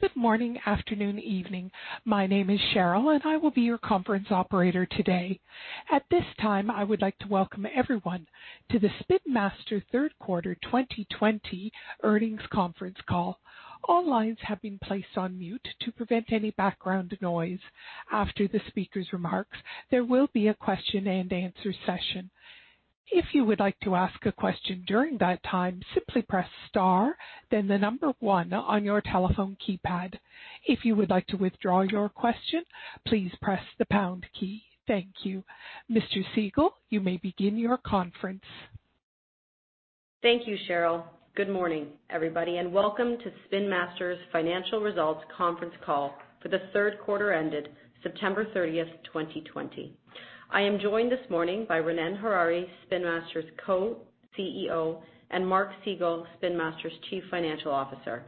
Good morning, afternoon, evening. My name is Cheryl and I will be your conference operator today. At this time, I would like to welcome everyone to the Spin Master third quarter 2020 earnings conference call. All lines have been placed on mute to prevent any background noise. After the speaker's remarks, there will be a question and answer session. If you would like to ask a question during that time, simply press star, then the number one on your telephone keypad. If you would like to withdraw your question, please press the pound key. Thank you. Mr. Segal, you may begin your conference. Thank you, Cheryl. Good morning, everybody, and welcome to Spin Master's financial results conference call for the third quarter ended September 30th, 2020. I am joined this morning by Ronnen Harary, Spin Master's Co-CEO, and Mark Segal, Spin Master's Chief Financial Officer.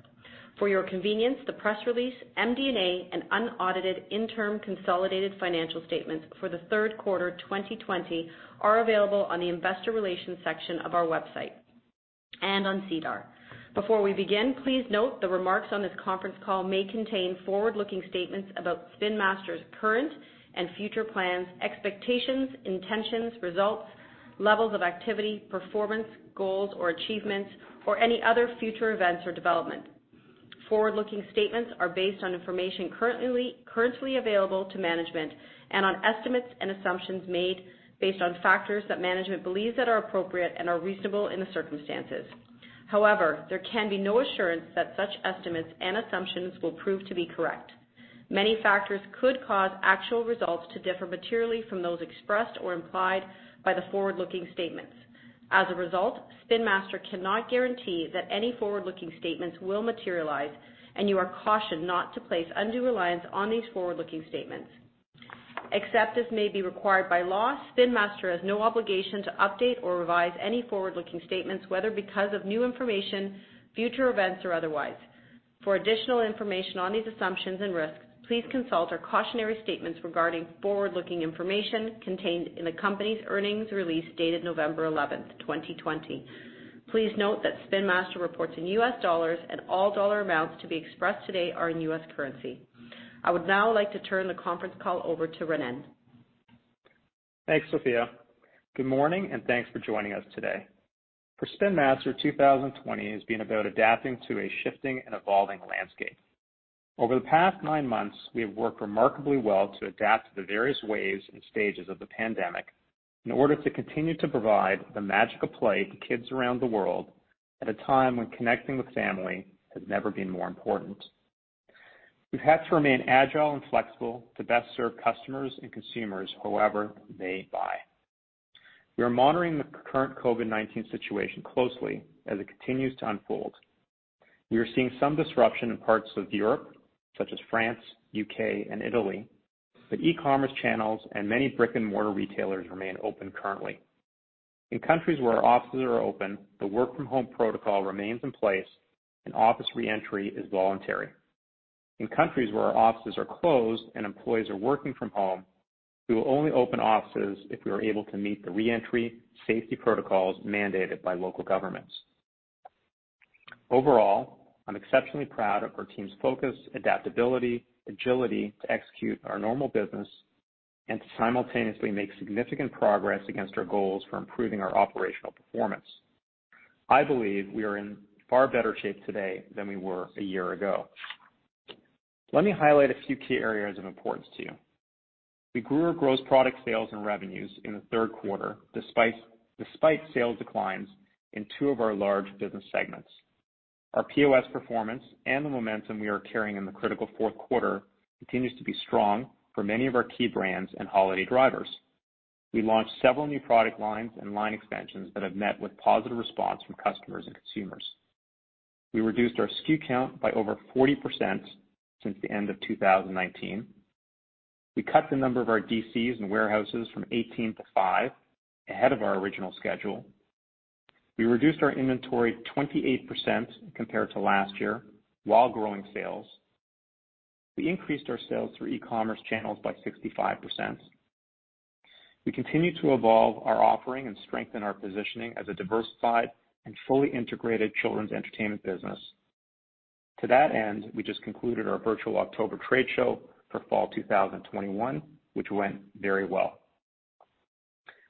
For your convenience, the press release, MD&A, and unaudited interim consolidated financial statements for the third quarter 2020 are available on the investor relations section of our website and on SEDAR. Before we begin, please note the remarks on this conference call may contain forward-looking statements about Spin Master's current and future plans, expectations, intentions, results, levels of activity, performance, goals or achievements, or any other future events or development. Forward-looking statements are based on information currently available to management and on estimates and assumptions made based on factors that management believes that are appropriate and are reasonable in the circumstances. There can be no assurance that such estimates and assumptions will prove to be correct. Many factors could cause actual results to differ materially from those expressed or implied by the forward-looking statements. As a result, Spin Master cannot guarantee that any forward-looking statements will materialize, and you are cautioned not to place undue reliance on these forward-looking statements. Except as may be required by law, Spin Master has no obligation to update or revise any forward-looking statements, whether because of new information, future events, or otherwise. For additional information on these assumptions and risks, please consult our cautionary statements regarding forward-looking information contained in the company's earnings release, dated November 11th, 2020. Please note that Spin Master reports in U.S. dollars and all dollar amounts to be expressed today are in U.S. currency. I would now like to turn the conference call over to Ronnen. Thanks, Sophia. Good morning and thanks for joining us today. For Spin Master, 2020 has been about adapting to a shifting and evolving landscape. Over the past nine months, we have worked remarkably well to adapt to the various waves and stages of the pandemic in order to continue to provide the magic of play to kids around the world at a time when connecting with family has never been more important. We've had to remain agile and flexible to best serve customers and consumers however they buy. We are monitoring the current COVID-19 situation closely as it continues to unfold. We are seeing some disruption in parts of Europe, such as France, U.K., and Italy, but e-commerce channels and many brick and mortar retailers remain open currently. In countries where our offices are open, the work from home protocol remains in place and office re-entry is voluntary. In countries where our offices are closed and employees are working from home, we will only open offices if we are able to meet the re-entry safety protocols mandated by local governments. Overall, I'm exceptionally proud of our team's focus, adaptability, agility to execute our normal business and to simultaneously make significant progress against our goals for improving our operational performance. I believe we are in far better shape today than we were a year ago. Let me highlight a few key areas of importance to you. We grew our gross product sales and revenues in the third quarter, despite sales declines in two of our large business segments. Our POS performance and the momentum we are carrying in the critical fourth quarter continues to be strong for many of our key brands and holiday drivers. We launched several new product lines and line expansions that have met with positive response from customers and consumers. We reduced our SKU count by over 40% since the end of 2019. We cut the number of our DCs and warehouses from 18 to five ahead of our original schedule. We reduced our inventory 28% compared to last year while growing sales. We increased our sales through e-commerce channels by 65%. We continue to evolve our offering and strengthen our positioning as a diversified and fully integrated children's entertainment business. To that end, we just concluded our virtual October trade show for fall 2021, which went very well.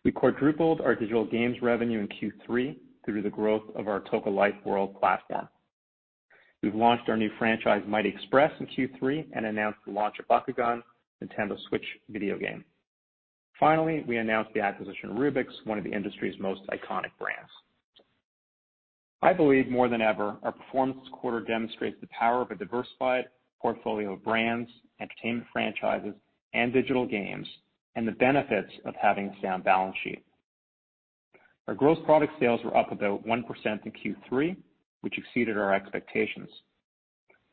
We quadrupled our digital games revenue in Q3 through the growth of our Toca Life: World platform. We've launched our new franchise, Mighty Express, in Q3 and announced the launch of Bakugan Nintendo Switch video game. We announced the acquisition of Rubik's, one of the industry's most iconic brands. I believe more than ever, our performance this quarter demonstrates the power of a diversified portfolio of brands, entertainment franchises, and digital games, and the benefits of having a sound balance sheet. Our gross product sales were up about 1% in Q3, which exceeded our expectations.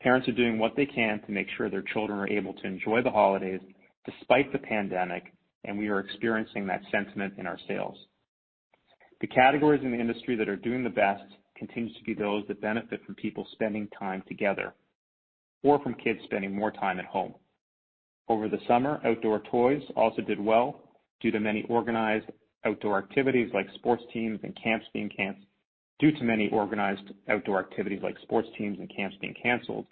Parents are doing what they can to make sure their children are able to enjoy the holidays despite the pandemic, and we are experiencing that sentiment in our sales. The categories in the industry that are doing the best continues to be those that benefit from people spending time together or from kids spending more time at home. Over the summer, outdoor toys also did well due to many organized outdoor activities like sports teams and camps being canceled.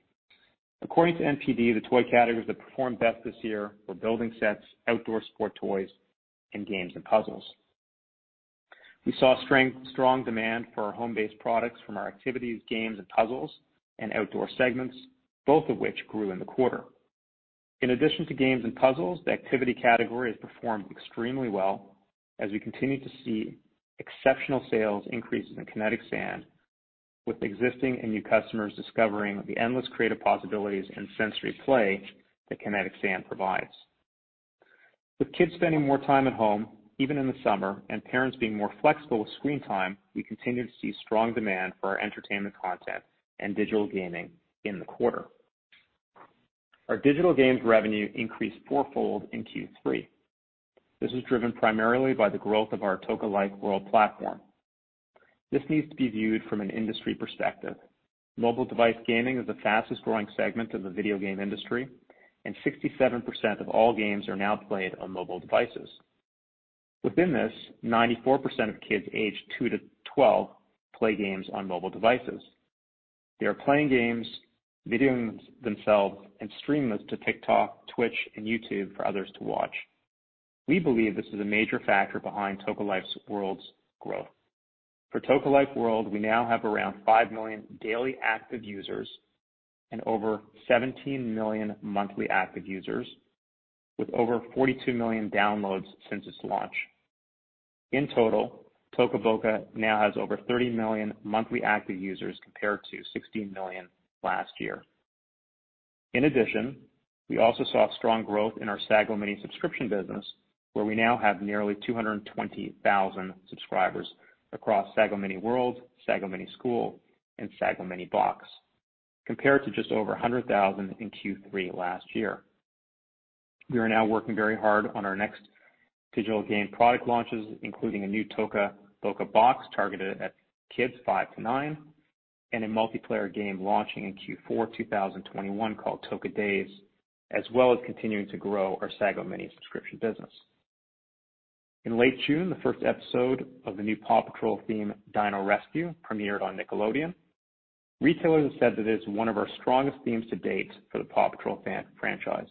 According to NPD, the toy categories that performed best this year were building sets, outdoor sport toys, and games and puzzles. We saw strong demand for our home-based products from our activities, games and puzzles, and outdoor segments, both of which grew in the quarter. In addition to games and puzzles, the activity category has performed extremely well as we continue to see exceptional sales increases in Kinetic Sand, with existing and new customers discovering the endless creative possibilities and sensory play that Kinetic Sand provides. With kids spending more time at home, even in the summer, and parents being more flexible with screen time, we continue to see strong demand for our entertainment content and digital gaming in the quarter. Our digital games revenue increased fourfold in Q3. This is driven primarily by the growth of our Toca Life World platform. This needs to be viewed from an industry perspective. Mobile device gaming is the fastest growing segment of the video game industry, and 67% of all games are now played on mobile devices. Within this, 94% of kids aged two to 12 play games on mobile devices. They are playing games, videoing themselves, and streaming those to TikTok, Twitch, and YouTube for others to watch. We believe this is a major factor behind Toca Life World's growth. For Toca Life World, we now have around 5 million daily active users and over 17 million monthly active users, with over 42 million downloads since its launch. In total, Toca Boca now has over 30 million monthly active users, compared to 16 million last year. We also saw strong growth in our Sago Mini subscription business, where we now have nearly 220,000 subscribers across Sago Mini World, Sago Mini School, and Sago Mini Box, compared to just over 100,000 in Q3 last year. We are now working very hard on our next digital game product launches, including a new Toca Life Box targeted at kids five to nine, and a multiplayer game launching in Q4 2021 called Toca Boca Days, as well as continuing to grow our Sago Mini subscription business. In late June, the first episode of the new PAW Patrol theme, Dino Rescue, premiered on Nickelodeon. Retailers have said that it is one of our strongest themes to date for the PAW Patrol franchise.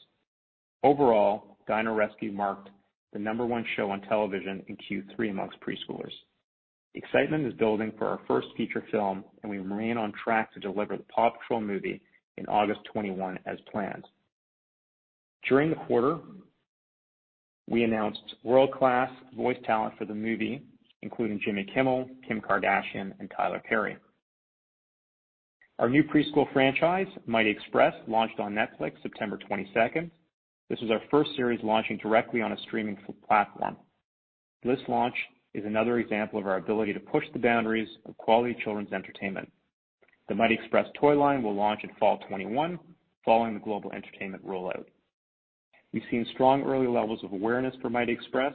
Dino Rescue marked the number one show on television in Q3 amongst preschoolers. Excitement is building for our first feature film, and we remain on track to deliver the PAW Patrol movie in August 2021 as planned. During the quarter, we announced world-class voice talent for the movie, including Jimmy Kimmel, Kim Kardashian, and Tyler Perry. Our new preschool franchise, Mighty Express, launched on Netflix September 22nd. This is our first series launching directly on a streaming platform. This launch is another example of our ability to push the boundaries of quality children's entertainment. The Mighty Express toy line will launch in fall 2021, following the global entertainment rollout. We've seen strong early levels of awareness for Mighty Express,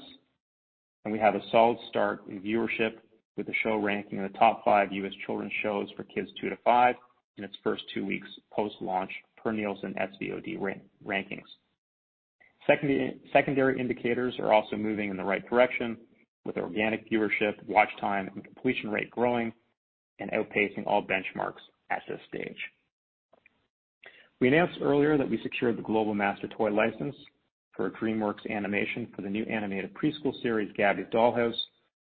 and we have a solid start in viewership, with the show ranking in the top five U.S. children's shows for kids two to five in its first two weeks post-launch per Nielsen SVOD rankings. Secondary indicators are also moving in the right direction, with organic viewership, watch time, and completion rate growing and outpacing all benchmarks at this stage. We announced earlier that we secured the global master toy license for DreamWorks Animation for the new animated preschool series, Gabby's Dollhouse,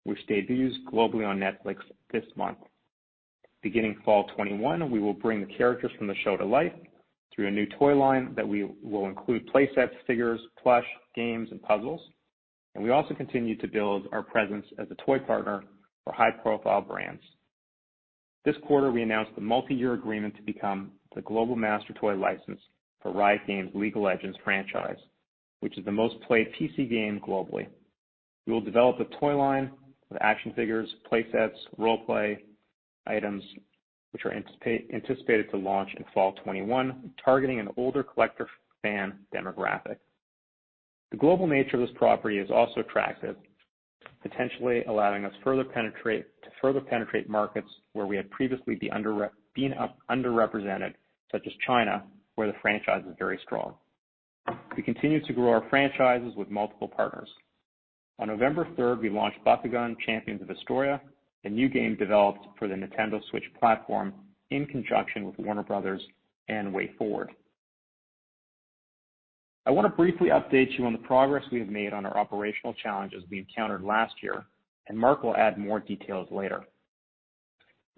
which debuts globally on Netflix this month. Beginning fall 2021, we will bring the characters from the show to life through a new toy line that will include play sets, figures, plush, games, and puzzles. We also continue to build our presence as a toy partner for high-profile brands. This quarter, we announced the multi-year agreement to become the global master toy license for Riot Games' League of Legends franchise, which is the most played PC game globally. We will develop a toy line with action figures, play sets, role play items, which are anticipated to launch in fall 2021, targeting an older collector fan demographic. The global nature of this property is also attractive, potentially allowing us to further penetrate markets where we have previously been underrepresented, such as China, where the franchise is very strong. We continue to grow our franchises with multiple partners. On November 3rd, we launched Bakugan: Champions of Vestroia, a new game developed for the Nintendo Switch platform in conjunction with Warner Bros. and WayForward. I want to briefly update you on the progress we have made on our operational challenges we encountered last year, and Mark will add more details later.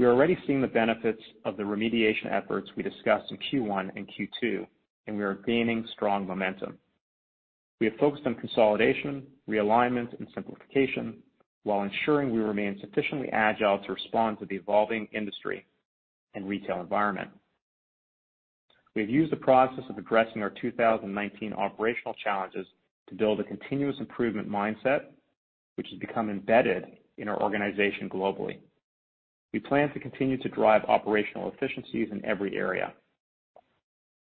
We are already seeing the benefits of the remediation efforts we discussed in Q1 and Q2, and we are gaining strong momentum. We have focused on consolidation, realignment, and simplification while ensuring we remain sufficiently agile to respond to the evolving industry and retail environment. We have used the process of addressing our 2019 operational challenges to build a continuous improvement mindset, which has become embedded in our organization globally. We plan to continue to drive operational efficiencies in every area.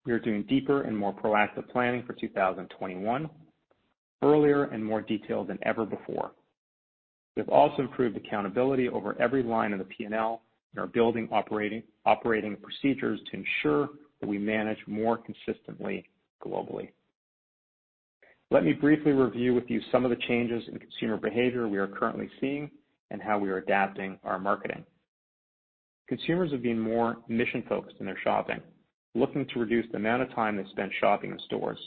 We are doing deeper and more proactive planning for 2021, earlier and more detailed than ever before. We have also improved accountability over every line of the P&L and are building operating procedures to ensure that we manage more consistently globally. Let me briefly review with you some of the changes in consumer behavior we are currently seeing and how we are adapting our marketing. Consumers are being more mission-focused in their shopping, looking to reduce the amount of time they spend shopping in stores.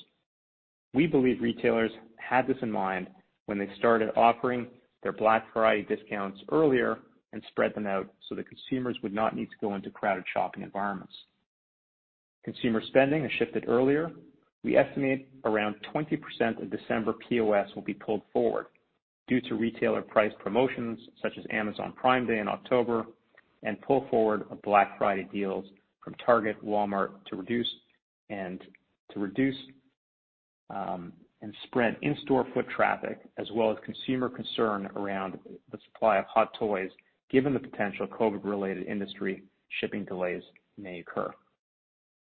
We believe retailers had this in mind when they started offering their Black Friday discounts earlier and spread them out so that consumers would not need to go into crowded shopping environments. Consumer spending has shifted earlier. We estimate around 20% of December POS will be pulled forward due to retailer price promotions such as Amazon Prime Day in October and pull forward of Black Friday deals from Target, Walmart to reduce and spread in-store foot traffic as well as consumer concern around the supply of hot toys, given the potential COVID-related industry shipping delays may occur.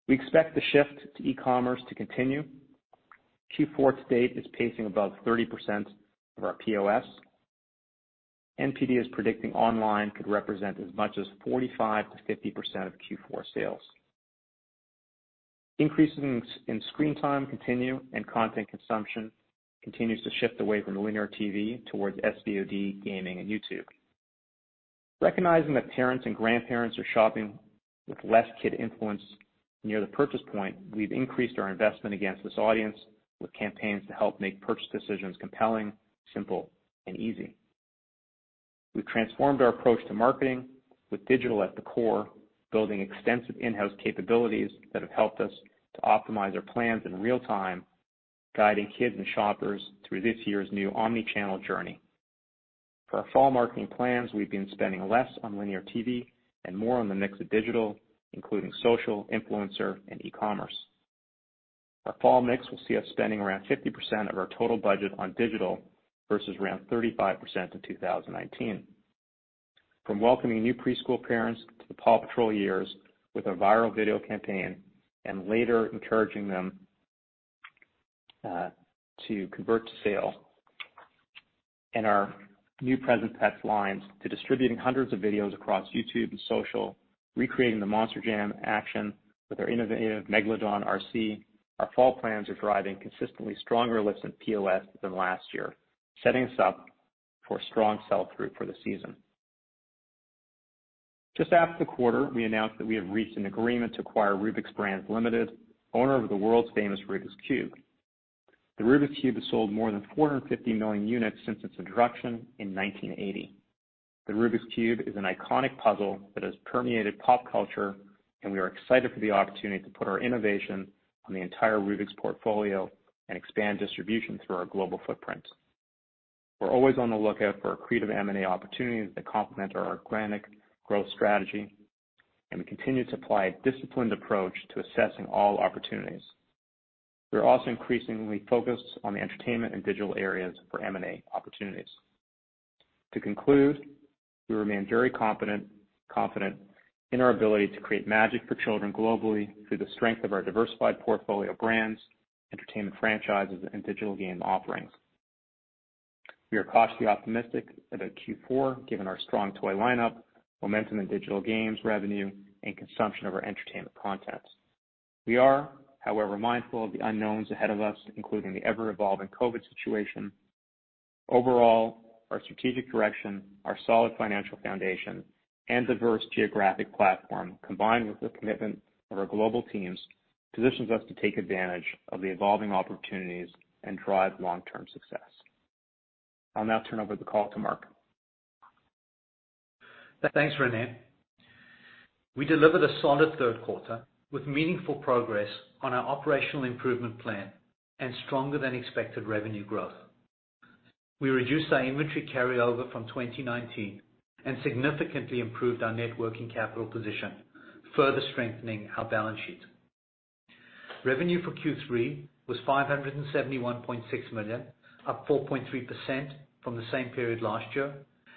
We expect the shift to e-commerce to continue. Q4 to date is pacing above 30% of our POS. NPD is predicting online could represent as much as 45%-50% of Q4 sales. Increases in screen time continue and content consumption continues to shift away from linear TV towards SVOD, gaming, and YouTube. Recognizing that parents and grandparents are shopping with less kid influence near the purchase point, we've increased our investment against this audience with campaigns to help make purchase decisions compelling, simple, and easy. We've transformed our approach to marketing with digital at the core, building extensive in-house capabilities that have helped us to optimize our plans in real time, guiding kids and shoppers through this year's new omni-channel journey. For our fall marketing plans, we've been spending less on linear TV and more on the mix of digital, including social, influencer, and e-commerce. Our fall mix will see us spending around 50% of our total budget on digital versus around 35% in 2019. From welcoming new preschool parents to the PAW Patrol years with a viral video campaign and later encouraging them to convert to sale in our new Present Pets lines to distributing hundreds of videos across YouTube and social, recreating the Monster Jam action with our innovative Megalodon RC, our fall plans are driving consistently stronger lifts in POS than last year, setting us up for strong sell-through for the season. Just after the quarter, we announced that we have reached an agreement to acquire Rubik's Brand Ltd, owner of the world's famous Rubik's Cube. The Rubik's Cube has sold more than 450 million units since its introduction in 1980. The Rubik's Cube is an iconic puzzle that has permeated pop culture. We are excited for the opportunity to put our innovation on the entire Rubik's portfolio and expand distribution through our global footprint. We're always on the lookout for accretive M&A opportunities that complement our organic growth strategy, and we continue to apply a disciplined approach to assessing all opportunities. We are also increasingly focused on the entertainment and digital areas for M&A opportunities. To conclude, we remain very confident in our ability to create magic for children globally through the strength of our diversified portfolio of brands, entertainment franchises, and digital game offerings. We are cautiously optimistic about Q4, given our strong toy lineup, momentum in digital games revenue, and consumption of our entertainment content. We are, however, mindful of the unknowns ahead of us, including the ever-evolving COVID-19 situation. Overall, our strategic direction, our solid financial foundation, and diverse geographic platform, combined with the commitment of our global teams, positions us to take advantage of the evolving opportunities and drive long-term success. I'll now turn over the call to Mark. Thanks, Ronnen. We delivered a solid third quarter with meaningful progress on our operational improvement plan and stronger than expected revenue growth. We reduced our inventory carryover from 2019 and significantly improved our networking capital position, further strengthening our balance sheet. Revenue for Q3 was $571.6 million, up 4.3% from the same period last year,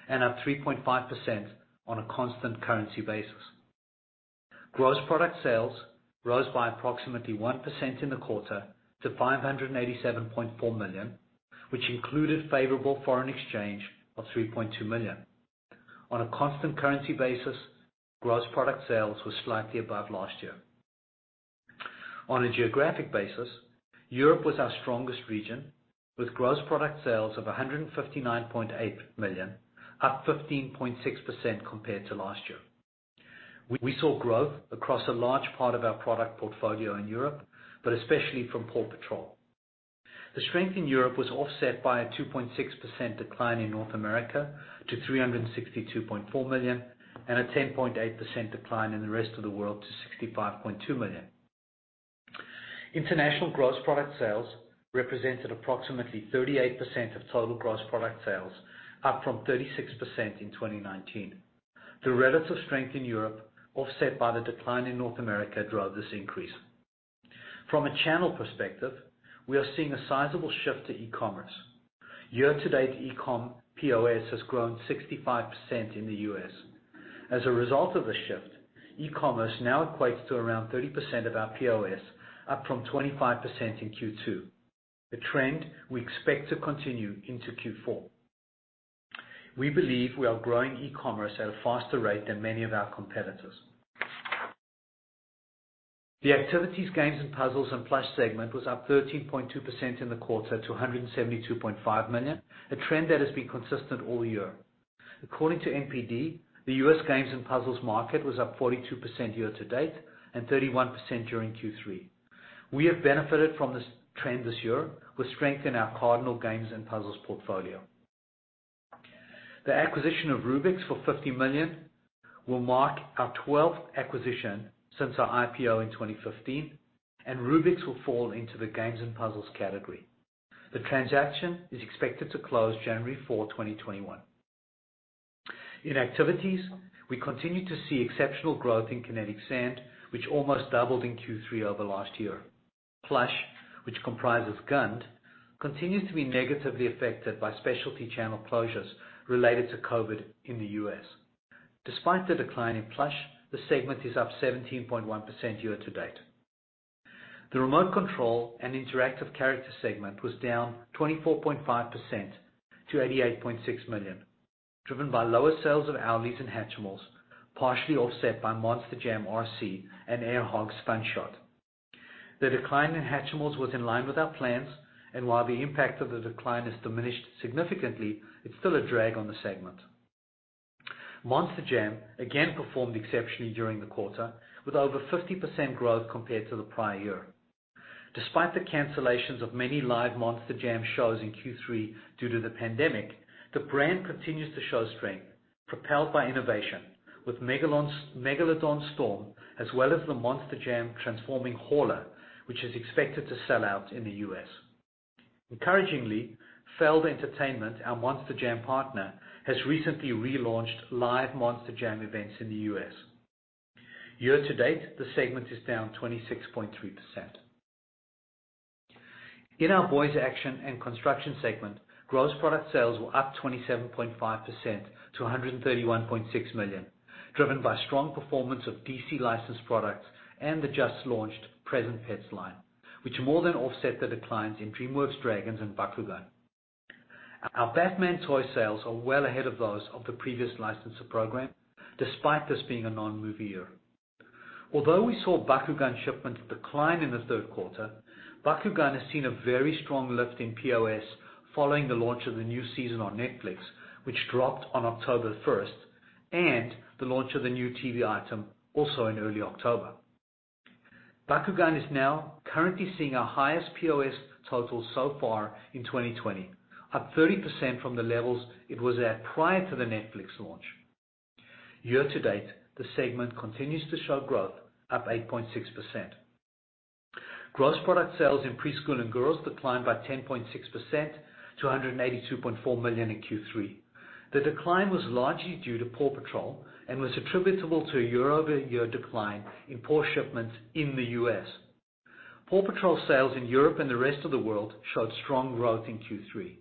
and up 3.5% on a constant currency basis. Gross product sales rose by approximately 1% in the quarter to $587.4 million, which included favorable foreign exchange of $3.2 million. On a constant currency basis, gross product sales were slightly above last year. On a geographic basis, Europe was our strongest region, with gross product sales of $159.8 million, up 15.6% compared to last year. We saw growth across a large part of our product portfolio in Europe, but especially from PAW Patrol. The strength in Europe was offset by a 2.6% decline in North America to $362.4 million and a 10.8% decline in the rest of the world to $65.2 million. International gross product sales represented approximately 38% of total gross product sales, up from 36% in 2019. The relative strength in Europe offset by the decline in North America drove this increase. From a channel perspective, we are seeing a sizable shift to e-commerce. Year to date, e-com POS has grown 65% in the U.S. As a result of this shift, e-commerce now equates to around 30% of our POS, up from 25% in Q2, a trend we expect to continue into Q4. We believe we are growing e-commerce at a faster rate than many of our competitors. The Activities, Games and Puzzles and Plush segment was up 13.2% in the quarter to $172.5 million, a trend that has been consistent all year. According to NPD, the U.S. Games and Puzzles market was up 42% year-to-date and 31% during Q3. We have benefited from this trend this year with strength in our Cardinal Games and Puzzles portfolio. The acquisition of Rubik's for $50 million will mark our 12th acquisition since our IPO in 2015, and Rubik's will fall into the Games and Puzzles category. The transaction is expected to close January 4, 2021. In activities, we continue to see exceptional growth in Kinetic Sand, which almost doubled in Q3 over last year. Plush, which comprises GUND, continues to be negatively affected by specialty channel closures related to COVID in the U.S. Despite the decline in Plush, the segment is up 17.1% year-to-date. The Remote Control and Interactive Character segment was down 24.5% to $88.6 million, driven by lower sales of Owleez and Hatchimals, partially offset by Monster Jam RC and Air Hogs Stunt Shot. The decline in Hatchimals was in line with our plans. While the impact of the decline has diminished significantly, it's still a drag on the segment. Monster Jam again performed exceptionally during the quarter, with over 50% growth compared to the prior year. Despite the cancellations of many live Monster Jam shows in Q3 due to the pandemic, the brand continues to show strength propelled by innovation with Megalodon Storm as well as the Monster Jam Transforming Hauler, which is expected to sell out in the U.S. Encouragingly, Feld Entertainment, our Monster Jam partner, has recently relaunched live Monster Jam events in the U.S. Year to date, the segment is down 26.3%. In our Boys Action and Construction segment, gross product sales were up 27.5% to $131.6 million, driven by strong performance of DC licensed products and the just-launched Present Pets line, which more than offset the declines in DreamWorks Dragons and Bakugan. Our Batman toy sales are well ahead of those of the previous licensor program despite this being a non-movie year. Although we saw Bakugan shipments decline in the third quarter, Bakugan has seen a very strong lift in POS following the launch of the new season on Netflix, which dropped on October 1st and the launch of the new TV item also in early October. Bakugan is now currently seeing our highest POS totals so far in 2020, up 30% from the levels it was at prior to the Netflix launch. Year to date, the segment continues to show growth, up 8.6%. Gross product sales in Preschool and Girls declined by 10.6% to $182.4 million in Q3. The decline was largely due to PAW Patrol and was attributable to a year-over-year decline in PAW shipments in the U.S. PAW Patrol sales in Europe and the rest of the world showed strong growth in Q3.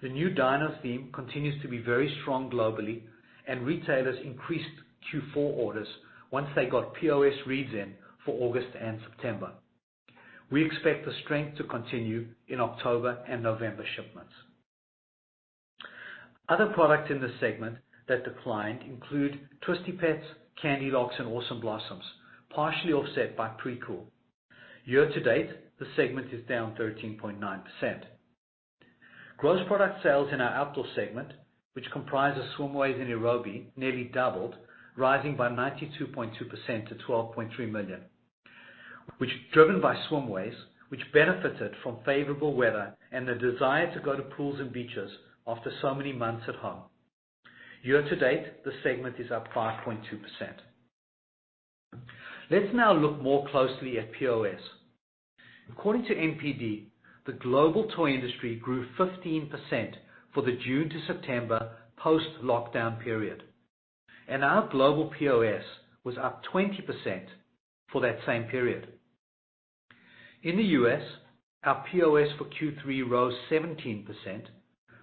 The new Dino Rescue theme continues to be very strong globally, and retailers increased Q4 orders once they got POS reads in for August and September. We expect the strength to continue in October and November shipments. Other products in this segment that declined include Twisty Petz, Candylocks, and Awesome Bloss'ems, partially offset by Precool. Year to date, the segment is down 13.9%. Gross product sales in our Outdoor segment, which comprises SwimWays and Aerobie, nearly doubled, rising by 92.2% to $12.3 million, which, driven by SwimWays, which benefited from favorable weather and the desire to go to pools and beaches after so many months at home. Year to date, the segment is up 5.2%. Let's now look more closely at POS. According to NPD, the global toy industry grew 15% for the June to September post-lockdown period, and our global POS was up 20% for that same period. In the U.S., our POS for Q3 rose 17%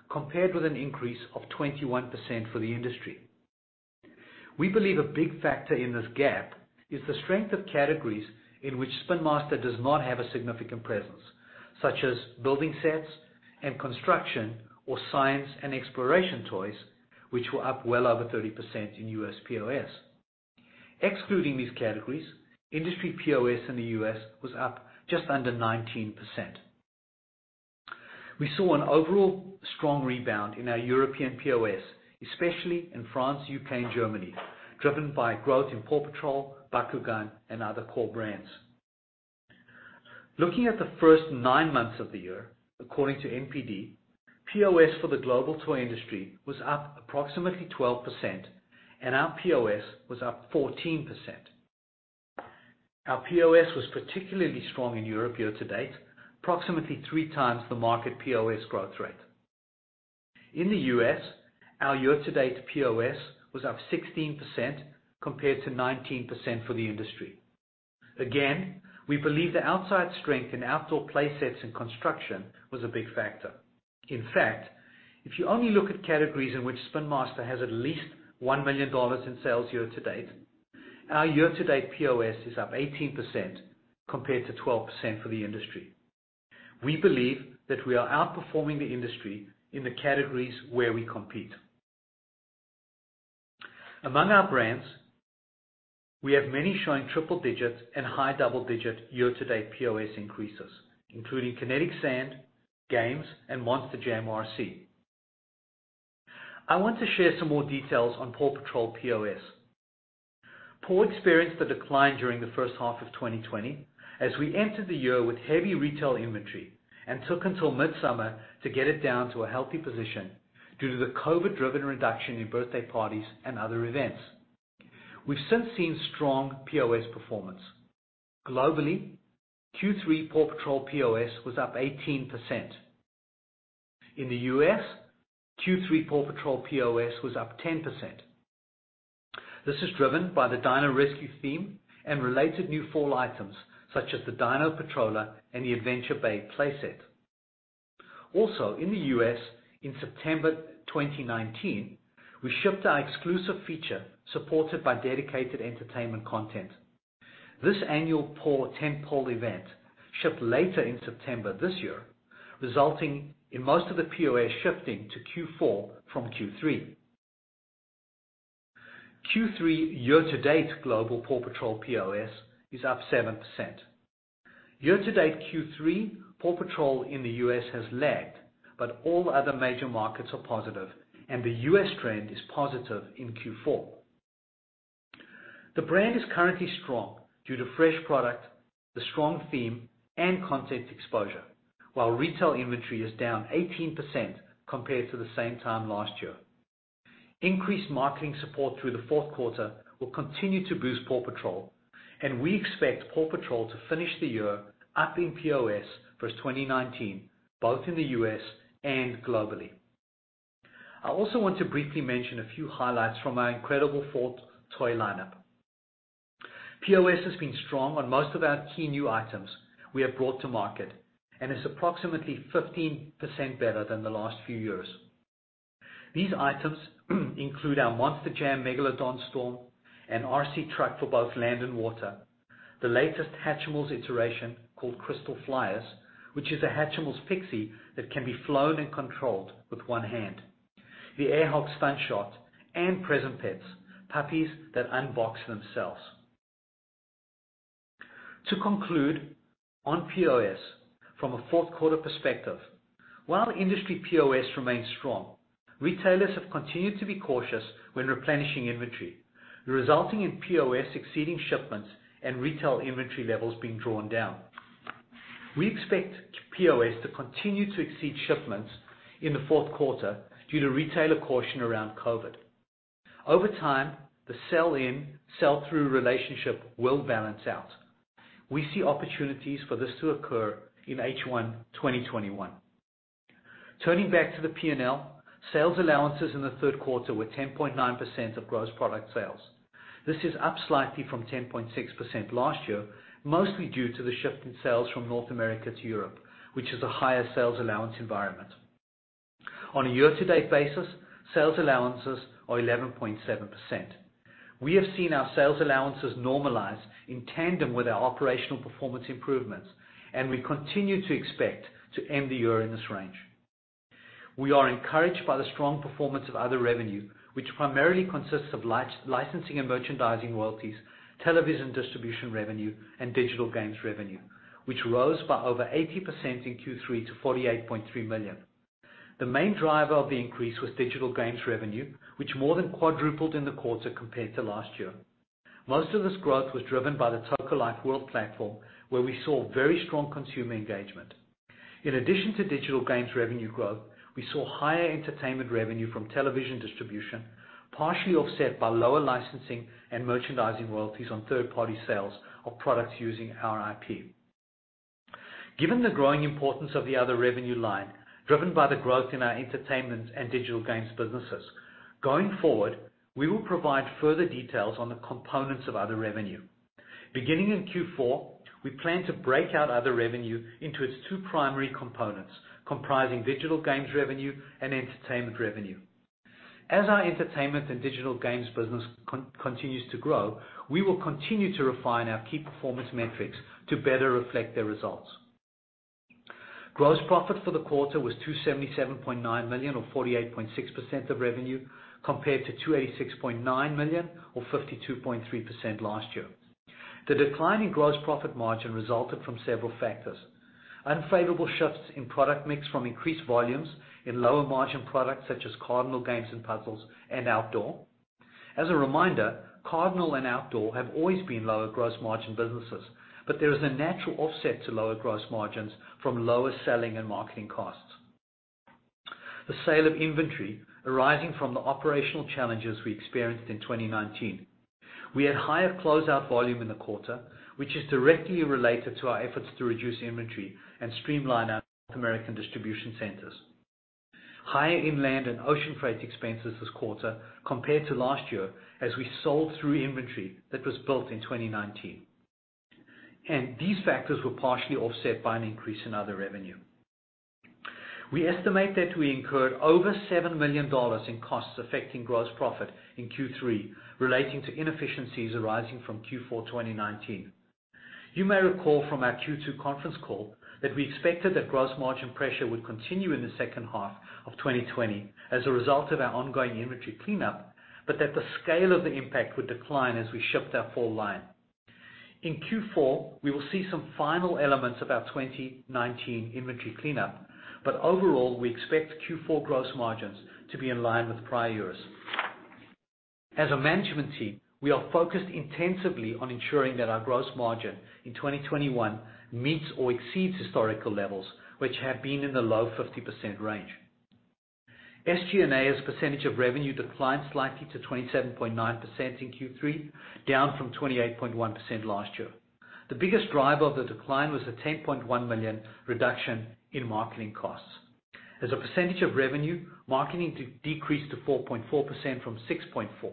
compared with an increase of 21% for the industry. We believe a big factor in this gap is the strength of categories in which Spin Master does not have a significant presence, such as building sets and construction or science and exploration toys, which were up well over 30% in U.S. POS. Excluding these categories, industry POS in the U.S. was up just under 19%. We saw an overall strong rebound in our European POS, especially in France, U.K., and Germany, driven by growth in PAW Patrol, Bakugan, and other core brands. Looking at the first nine months of the year, according to NPD, POS for the global toy industry was up approximately 12%, and our POS was up 14%. Our POS was particularly strong in Europe year to date, approximately three times the market POS growth rate. In the U.S., our year-to-date POS was up 16% compared to 19% for the industry. Again, we believe the outside strength in outdoor play sets and construction was a big factor. In fact, if you only look at categories in which Spin Master has at least $1 million in sales year-to-date, our year-to-date POS is up 18% compared to 12% for the industry. We believe that we are outperforming the industry in the categories where we compete. Among our brands, we have many showing triple digits and high double-digit year-to-date POS increases, including Kinetic Sand, Games, and Monster Jam RC. I want to share some more details on PAW Patrol POS. PAW experienced a decline during the first half of 2020 as we entered the year with heavy retail inventory and took until mid-summer to get it down to a healthy position due to the COVID-driven reduction in birthday parties and other events. We've since seen strong POS performance. Globally, Q3 PAW Patrol POS was up 18%. In the U.S., Q3 PAW Patrol POS was up 10%. This is driven by the Dino Rescue theme and related new fall items such as the Dino Patroller and the Adventure Bay Play Set. Also in the U.S., in September 2019, we shipped our exclusive feature supported by dedicated entertainment content. This annual tentpole event shipped later in September this year, resulting in most of the POS shifting to Q4 from Q3. Q3 year-to-date global PAW Patrol POS is up 7%. Year-to-date Q3, PAW Patrol in the U.S. has lagged. All other major markets are positive, the U.S. trend is positive in Q4. The brand is currently strong due to fresh product, the strong theme, and content exposure, while retail inventory is down 18% compared to the same time last year. Increased marketing support through the fourth quarter will continue to boost PAW Patrol. We expect PAW Patrol to finish the year up in POS versus 2019, both in the U.S. and globally. I also want to briefly mention a few highlights from our incredible fall toy lineup. POS has been strong on most of our key new items we have brought to market and is approximately 15% better than the last few years. These items include our Monster Jam Megalodon Storm, an RC truck for both land and water. The latest Hatchimals iteration called Crystal Flyers, which is a Hatchimals Pixie that can be flown and controlled with one hand. The Air Hogs Stunt Shot and Present Pets, puppies that unbox themselves. To conclude on POS from a fourth quarter perspective, while industry POS remains strong, retailers have continued to be cautious when replenishing inventory, resulting in POS exceeding shipments and retail inventory levels being drawn down. We expect POS to continue to exceed shipments in the fourth quarter due to retailer caution around COVID. Over time, the sell-in, sell-through relationship will balance out. We see opportunities for this to occur in H1 2021. Turning back to the P&L, sales allowances in the third quarter were 10.9% of gross product sales. This is up slightly from 10.6% last year, mostly due to the shift in sales from North America to Europe, which is a higher sales allowance environment. On a year-to-date basis, sales allowances are 11.7%. We have seen our sales allowances normalize in tandem with our operational performance improvements, and we continue to expect to end the year in this range. We are encouraged by the strong performance of other revenue, which primarily consists of licensing and merchandising royalties, television distribution revenue, and digital games revenue, which rose by over 80% in Q3 to $48.3 million. The main driver of the increase was digital games revenue, which more than quadrupled in the quarter compared to last year. Most of this growth was driven by the Toca Life World platform, where we saw very strong consumer engagement. In addition to digital games revenue growth, we saw higher entertainment revenue from television distribution, partially offset by lower licensing and merchandising royalties on third-party sales of products using our IP. Given the growing importance of the other revenue line driven by the growth in our entertainment and digital games businesses, going forward, we will provide further details on the components of other revenue. Beginning in Q4, we plan to break out other revenue into its two primary components comprising digital games revenue and entertainment revenue. As our entertainment and digital games business continues to grow, we will continue to refine our key performance metrics to better reflect their results. Gross profit for the quarter was $277.9 million or 48.6% of revenue compared to $286.9 million or 52.3% last year. The decline in gross profit margin resulted from several factors. Unfavorable shifts in product mix from increased volumes in lower-margin products such as Cardinal Games and Puzzles and Outdoor. As a reminder, Cardinal and Outdoor have always been lower gross margin businesses, but there is a natural offset to lower gross margins from lower selling and marketing costs. The sale of inventory arising from the operational challenges we experienced in 2019. We had higher closeout volume in the quarter, which is directly related to our efforts to reduce inventory and streamline our North American distribution centers. Higher inland and ocean freight expenses this quarter compared to last year as we sold through inventory that was built in 2019. These factors were partially offset by an increase in other revenue. We estimate that we incurred over $7 million in costs affecting gross profit in Q3, relating to inefficiencies arising from Q4 2019. You may recall from our Q2 conference call that we expected that gross margin pressure would continue in the second half of 2020 as a result of our ongoing inventory cleanup, but that the scale of the impact would decline as we shipped our fall line. In Q4, we will see some final elements of our 2019 inventory cleanup, but overall, we expect Q4 gross margins to be in line with prior years. As a management team, we are focused intensively on ensuring that our gross margin in 2021 meets or exceeds historical levels, which have been in the low 50% range. SG&A as a percentage of revenue declined slightly to 27.9% in Q3, down from 28.1% last year. The biggest driver of the decline was a $10.1 million reduction in marketing costs. As a percentage of revenue, marketing decreased to 4.4% from 6.4%.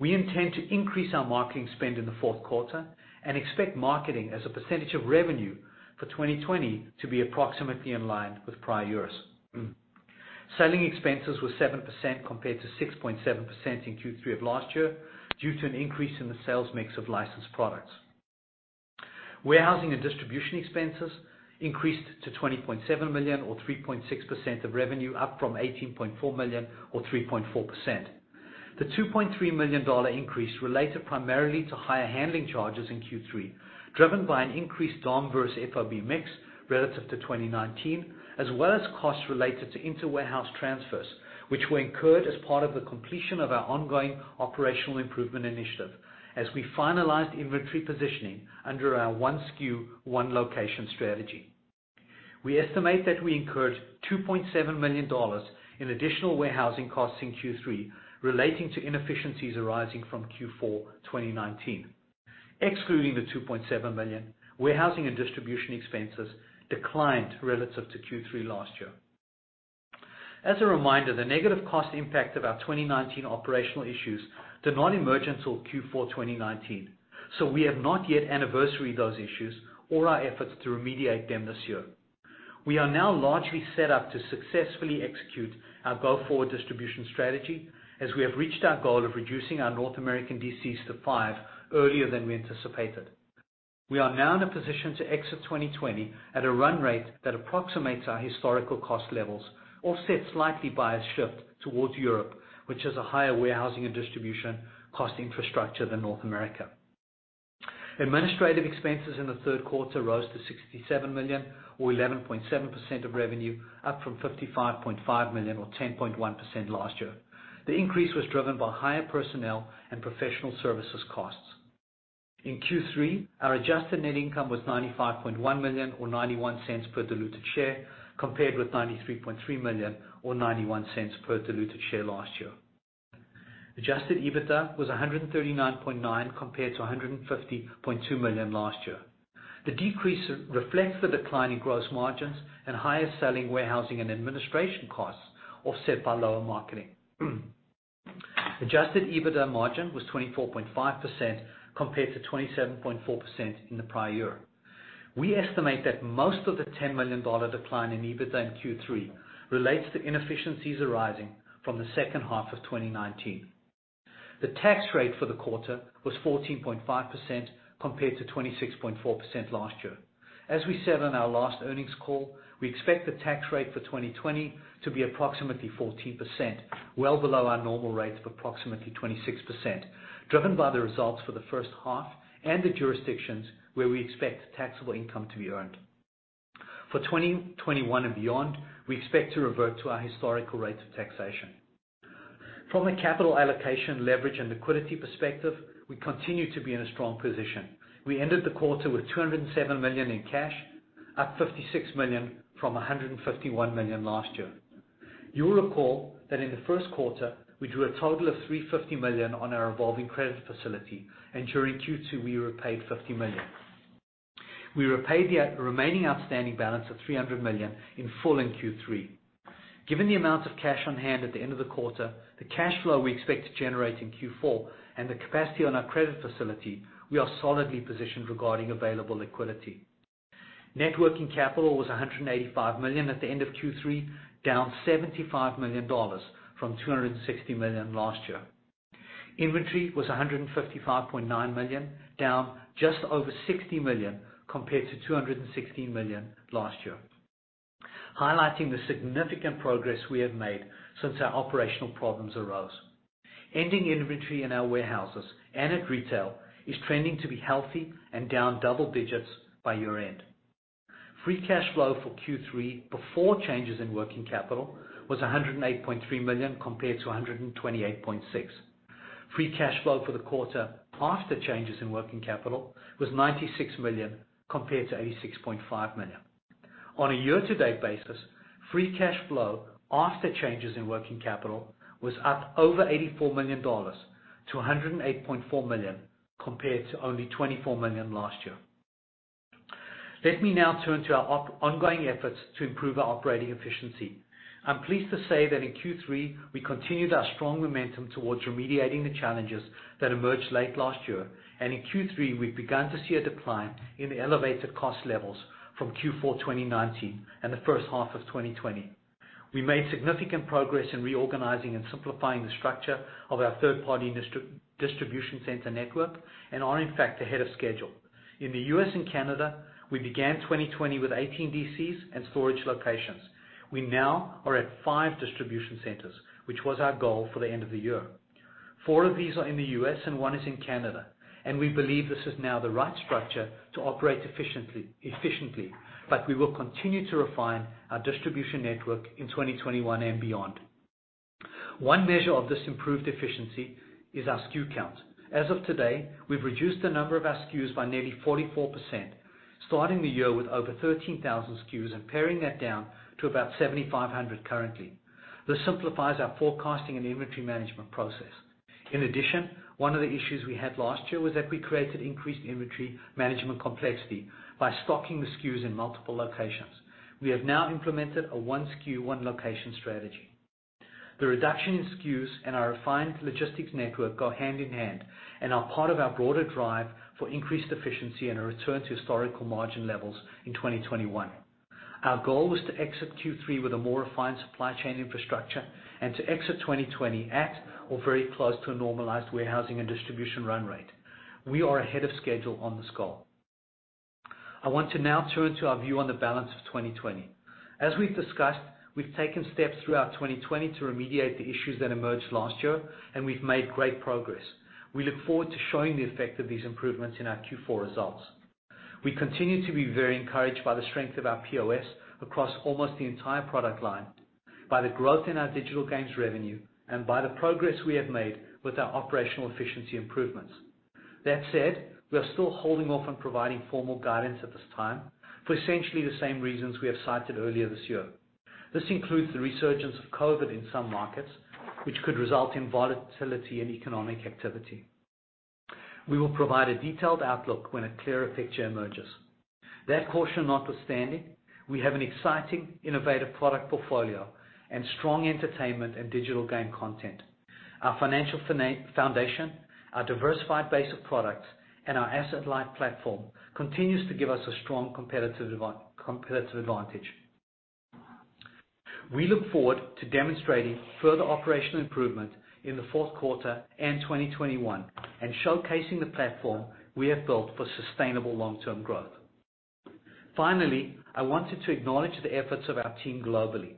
We intend to increase our marketing spend in the fourth quarter and expect marketing as a percentage of revenue for 2020 to be approximately in line with prior years. Selling expenses were 7% compared to 6.7% in Q3 of last year due to an increase in the sales mix of licensed products. Warehousing and distribution expenses increased to $20.7 million or 3.6% of revenue, up from $18.4 million or 3.4%. The $2.3 million increase related primarily to higher handling charges in Q3, driven by an increased DOM versus FOB mix relative to 2019, as well as costs related to inter-warehouse transfers, which were incurred as part of the completion of our ongoing operational improvement initiative as we finalized inventory positioning under our one SKU, one location strategy. We estimate that we incurred $2.7 million in additional warehousing costs in Q3 relating to inefficiencies arising from Q4 2019. Excluding the $2.7 million, warehousing and distribution expenses declined relative to Q3 last year. As a reminder, the negative cost impact of our 2019 operational issues did not emerge until Q4 2019. We have not yet anniversaried those issues or our efforts to remediate them this year. We are now largely set up to successfully execute our go-forward distribution strategy as we have reached our goal of reducing our North American DCs to five earlier than we anticipated. We are now in a position to exit 2020 at a run rate that approximates our historical cost levels, offset slightly by a shift towards Europe, which has a higher warehousing and distribution cost infrastructure than North America. Administrative expenses in the third quarter rose to $67 million or 11.7% of revenue, up from $55.5 million or 10.1% last year. The increase was driven by higher personnel and professional services costs. In Q3, our adjusted net income was $95.1 million or $0.91 per diluted share, compared with $93.3 million or $0.91 per diluted share last year. Adjusted EBITDA was $139.9 million compared to $150.2 million last year. The decrease reflects the decline in gross margins and higher selling, warehousing, and administration costs, offset by lower marketing. Adjusted EBITDA margin was 24.5% compared to 27.4% in the prior year. We estimate that most of the $10 million decline in EBITDA in Q3 relates to inefficiencies arising from the second half of 2019. The tax rate for the quarter was 14.5% compared to 26.4% last year. As we said on our last earnings call, we expect the tax rate for 2020 to be approximately 14%, well below our normal rate of approximately 26%, driven by the results for the first half and the jurisdictions where we expect taxable income to be earned. For 2021 and beyond, we expect to revert to our historical rates of taxation. From a capital allocation, leverage, and liquidity perspective, we continue to be in a strong position. We ended the quarter with $207 million in cash, up $56 million from $151 million last year. You will recall that in the first quarter, we drew a total of $350 million on our revolving credit facility, and during Q2, we repaid $50 million. We repaid the remaining outstanding balance of $300 million in full in Q3. Given the amount of cash on hand at the end of the quarter, the cash flow we expect to generate in Q4, and the capacity on our credit facility, we are solidly positioned regarding available liquidity. Net working capital was $185 million at the end of Q3, down $75 million from $260 million last year. Inventory was $155.9 million, down just over $60 million compared to $216 million last year, highlighting the significant progress we have made since our operational problems arose. Ending inventory in our warehouses and at retail is trending to be healthy and down double digits by year-end. Free cash flow for Q3 before changes in working capital was $108.3 million compared to $128.6 million. Free cash flow for the quarter after changes in working capital was $96 million compared to $86.5 million. On a year-to-date basis, free cash flow after changes in working capital was up over $84 million to $108.4 million, compared to only $24 million last year. Let me now turn to our ongoing efforts to improve our operating efficiency. I'm pleased to say that in Q3, we continued our strong momentum towards remediating the challenges that emerged late last year. In Q3, we've begun to see a decline in the elevated cost levels from Q4 2019 and the first half of 2020. We made significant progress in reorganizing and simplifying the structure of our third-party distribution center network and are, in fact, ahead of schedule. In the U.S. and Canada, we began 2020 with 18 DCs and storage locations. We now are at five distribution centers, which was our goal for the end of the year. Four of these are in the U.S. and one is in Canada. We believe this is now the right structure to operate efficiently. We will continue to refine our distribution network in 2021 and beyond. One measure of this improved efficiency is our SKU count. As of today, we've reduced the number of our SKUs by nearly 44%, starting the year with over 13,000 SKUs and paring that down to about 7,500 currently. This simplifies our forecasting and inventory management process. In addition, one of the issues we had last year was that we created increased inventory management complexity by stocking the SKUs in multiple locations. We have now implemented a 1 SKU, 1 location strategy. The reduction in SKUs and our refined logistics network go hand in hand and are part of our broader drive for increased efficiency and a return to historical margin levels in 2021. Our goal was to exit Q3 with a more refined supply chain infrastructure and to exit 2020 at or very close to a normalized warehousing and distribution run rate. We are ahead of schedule on this goal. I want to now turn to our view on the balance of 2020. As we've discussed, we've taken steps throughout 2020 to remediate the issues that emerged last year, and we've made great progress. We look forward to showing the effect of these improvements in our Q4 results. We continue to be very encouraged by the strength of our POS across almost the entire product line, by the growth in our digital games revenue, and by the progress we have made with our operational efficiency improvements. That said, we are still holding off on providing formal guidance at this time, for essentially the same reasons we have cited earlier this year. This includes the resurgence of COVID-19 in some markets, which could result in volatility in economic activity. We will provide a detailed outlook when a clearer picture emerges. That caution notwithstanding, we have an exciting, innovative product portfolio and strong entertainment and digital game content. Our financial foundation, our diversified base of products, and our asset-light platform continues to give us a strong competitive advantage. We look forward to demonstrating further operational improvement in the fourth quarter and 2021 and showcasing the platform we have built for sustainable long-term growth. Finally, I wanted to acknowledge the efforts of our team globally.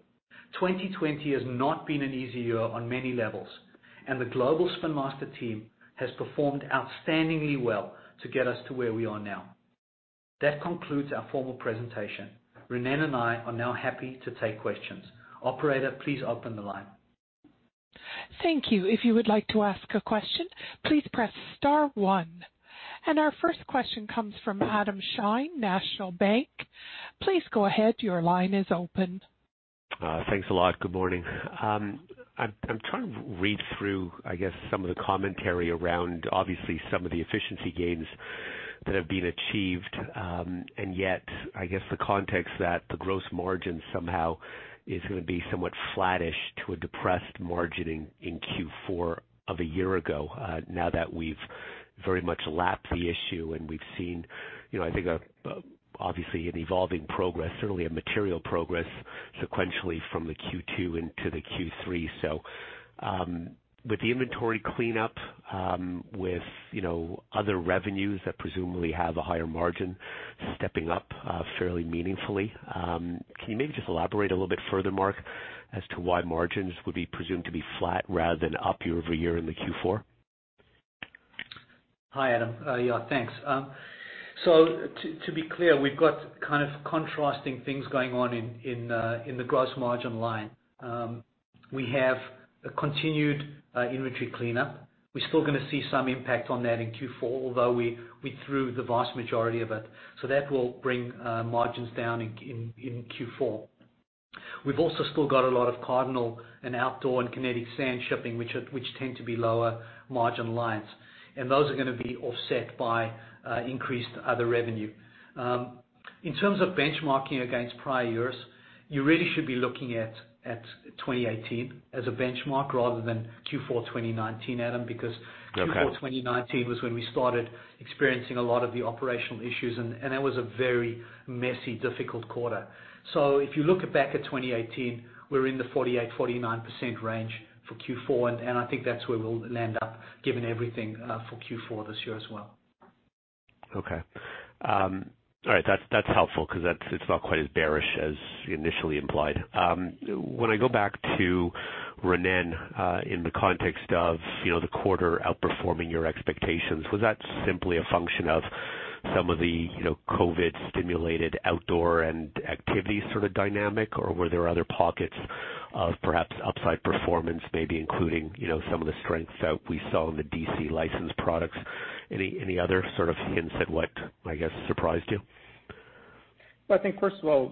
2020 has not been an easy year on many levels, and the global Spin Master team has performed outstandingly well to get us to where we are now. That concludes our formal presentation. Ronnen and I are now happy to take questions. Operator, please open the line. Thank you. If you would like to ask a question, please press star one. Our first question comes from Adam Shine, National Bank. Please go ahead. Your line is open. Thanks a lot. Good morning. I'm trying to read through, I guess, some of the commentary around, obviously, some of the efficiency gains that have been achieved, and yet, I guess the context that the gross margin somehow is going to be somewhat flattish to a depressed margining in Q4 of a year ago. Now that we've very much lapped the issue and we've seen, I think, obviously, an evolving progress, certainly a material progress sequentially from the Q2 into the Q3. With the inventory cleanup, with other revenues that presumably have a higher margin stepping up fairly meaningfully, can you maybe just elaborate a little bit further, Mark, as to why margins would be presumed to be flat rather than up year-over-year in the Q4? Hi, Adam. Yeah, thanks. To be clear, we've got kind of contrasting things going on in the gross margin line. We have a continued inventory cleanup. We're still going to see some impact on that in Q4, although we threw the vast majority of it. That will bring margins down in Q4. We've also still got a lot of Cardinal and outdoor and Kinetic Sand shipping, which tend to be lower margin lines, and those are going to be offset by increased other revenue. In terms of benchmarking against prior years, you really should be looking at 2018 as a benchmark rather than Q4 2019, Adam. Okay Q4 2019 was when we started experiencing a lot of the operational issues, and that was a very messy, difficult quarter. If you look back at 2018, we're in the 48%-49% range for Q4, and I think that's where we'll land up given everything for Q4 this year as well. Okay. All right. That's helpful because it's not quite as bearish as initially implied. When I go back to Ronnen, in the context of the quarter outperforming your expectations, was that simply a function of some of the COVID-stimulated outdoor and activity sort of dynamic, or were there other pockets of perhaps upside performance, maybe including some of the strengths that we saw in the DC licensed products? Any other sort of hints at what, I guess, surprised you? I think first of all,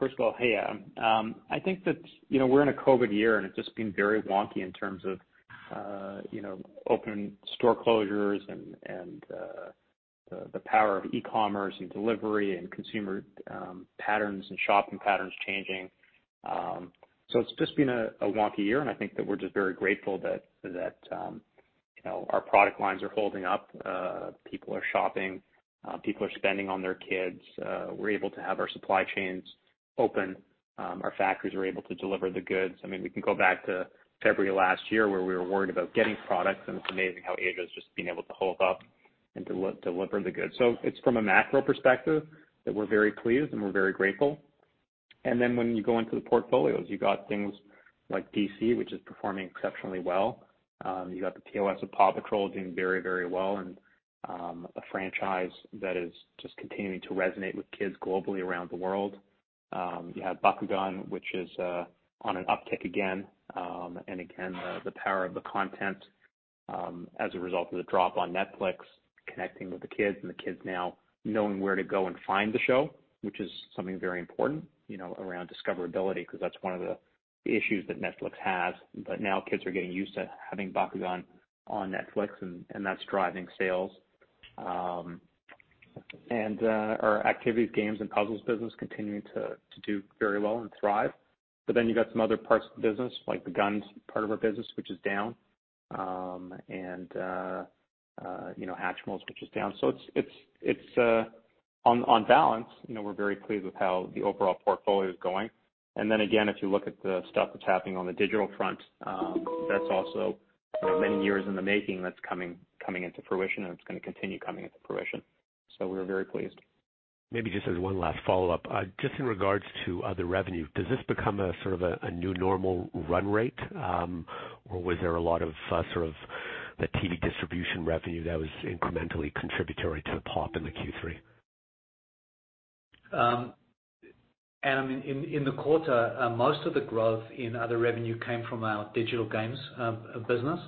I think that we're in a COVID year, and it's just been very wonky in terms of open store closures and the power of e-commerce and delivery and consumer patterns and shopping patterns changing. It's just been a wonky year, and I think that we're just very grateful that our product lines are holding up. People are shopping. People are spending on their kids. We're able to have our supply chains open. Our factories are able to deliver the goods. We can go back to February last year where we were worried about getting products, and it's amazing how Spin Master has just been able to hold up and deliver the goods. It's from a macro perspective that we're very pleased and we're very grateful. When you go into the portfolios, you got things like DC, which is performing exceptionally well. You got the L&M of PAW Patrol doing very well, a franchise that is just continuing to resonate with kids globally around the world. You have Bakugan, which is on an uptick again. Again, the power of the content, as a result of the drop on Netflix connecting with the kids and the kids now knowing where to go and find the show, which is something very important, around discoverability, because that's one of the issues that Netflix has. Now kids are getting used to having Bakugan on Netflix and that's driving sales. Our activities, games, and puzzles business continuing to do very well and thrive. You've got some other parts of the business, like the GUND part of our business, which is down, and Hatchimals, which is down. On balance, we're very pleased with how the overall portfolio is going. Again, if you look at the stuff that's happening on the digital front that's also many years in the making, that's coming into fruition and it's going to continue coming into fruition. We're very pleased. Maybe just as one last follow-up. Just in regards to other revenue, does this become a sort of a new normal run rate? Was there a lot of the TV distribution revenue that was incrementally contributory to the pop in the Q3? In the quarter, most of the growth in other revenue came from our digital games business.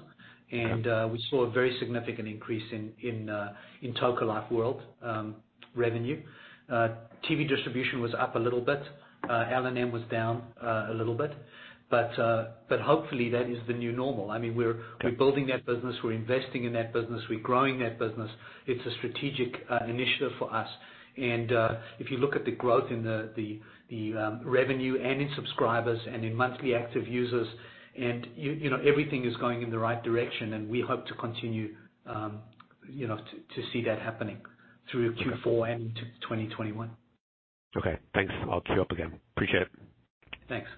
Okay. We saw a very significant increase in Toca Life World revenue. TV distribution was up a little bit. L&M was down a little bit. Hopefully that is the new normal. We're building that business, we're investing in that business, we're growing that business. It's a strategic initiative for us. If you look at the growth in the revenue and in subscribers and in monthly active users, everything is going in the right direction, and we hope to continue to see that happening through Q4 and into 2021. Okay, thanks. I'll queue up again. Appreciate it. Thanks.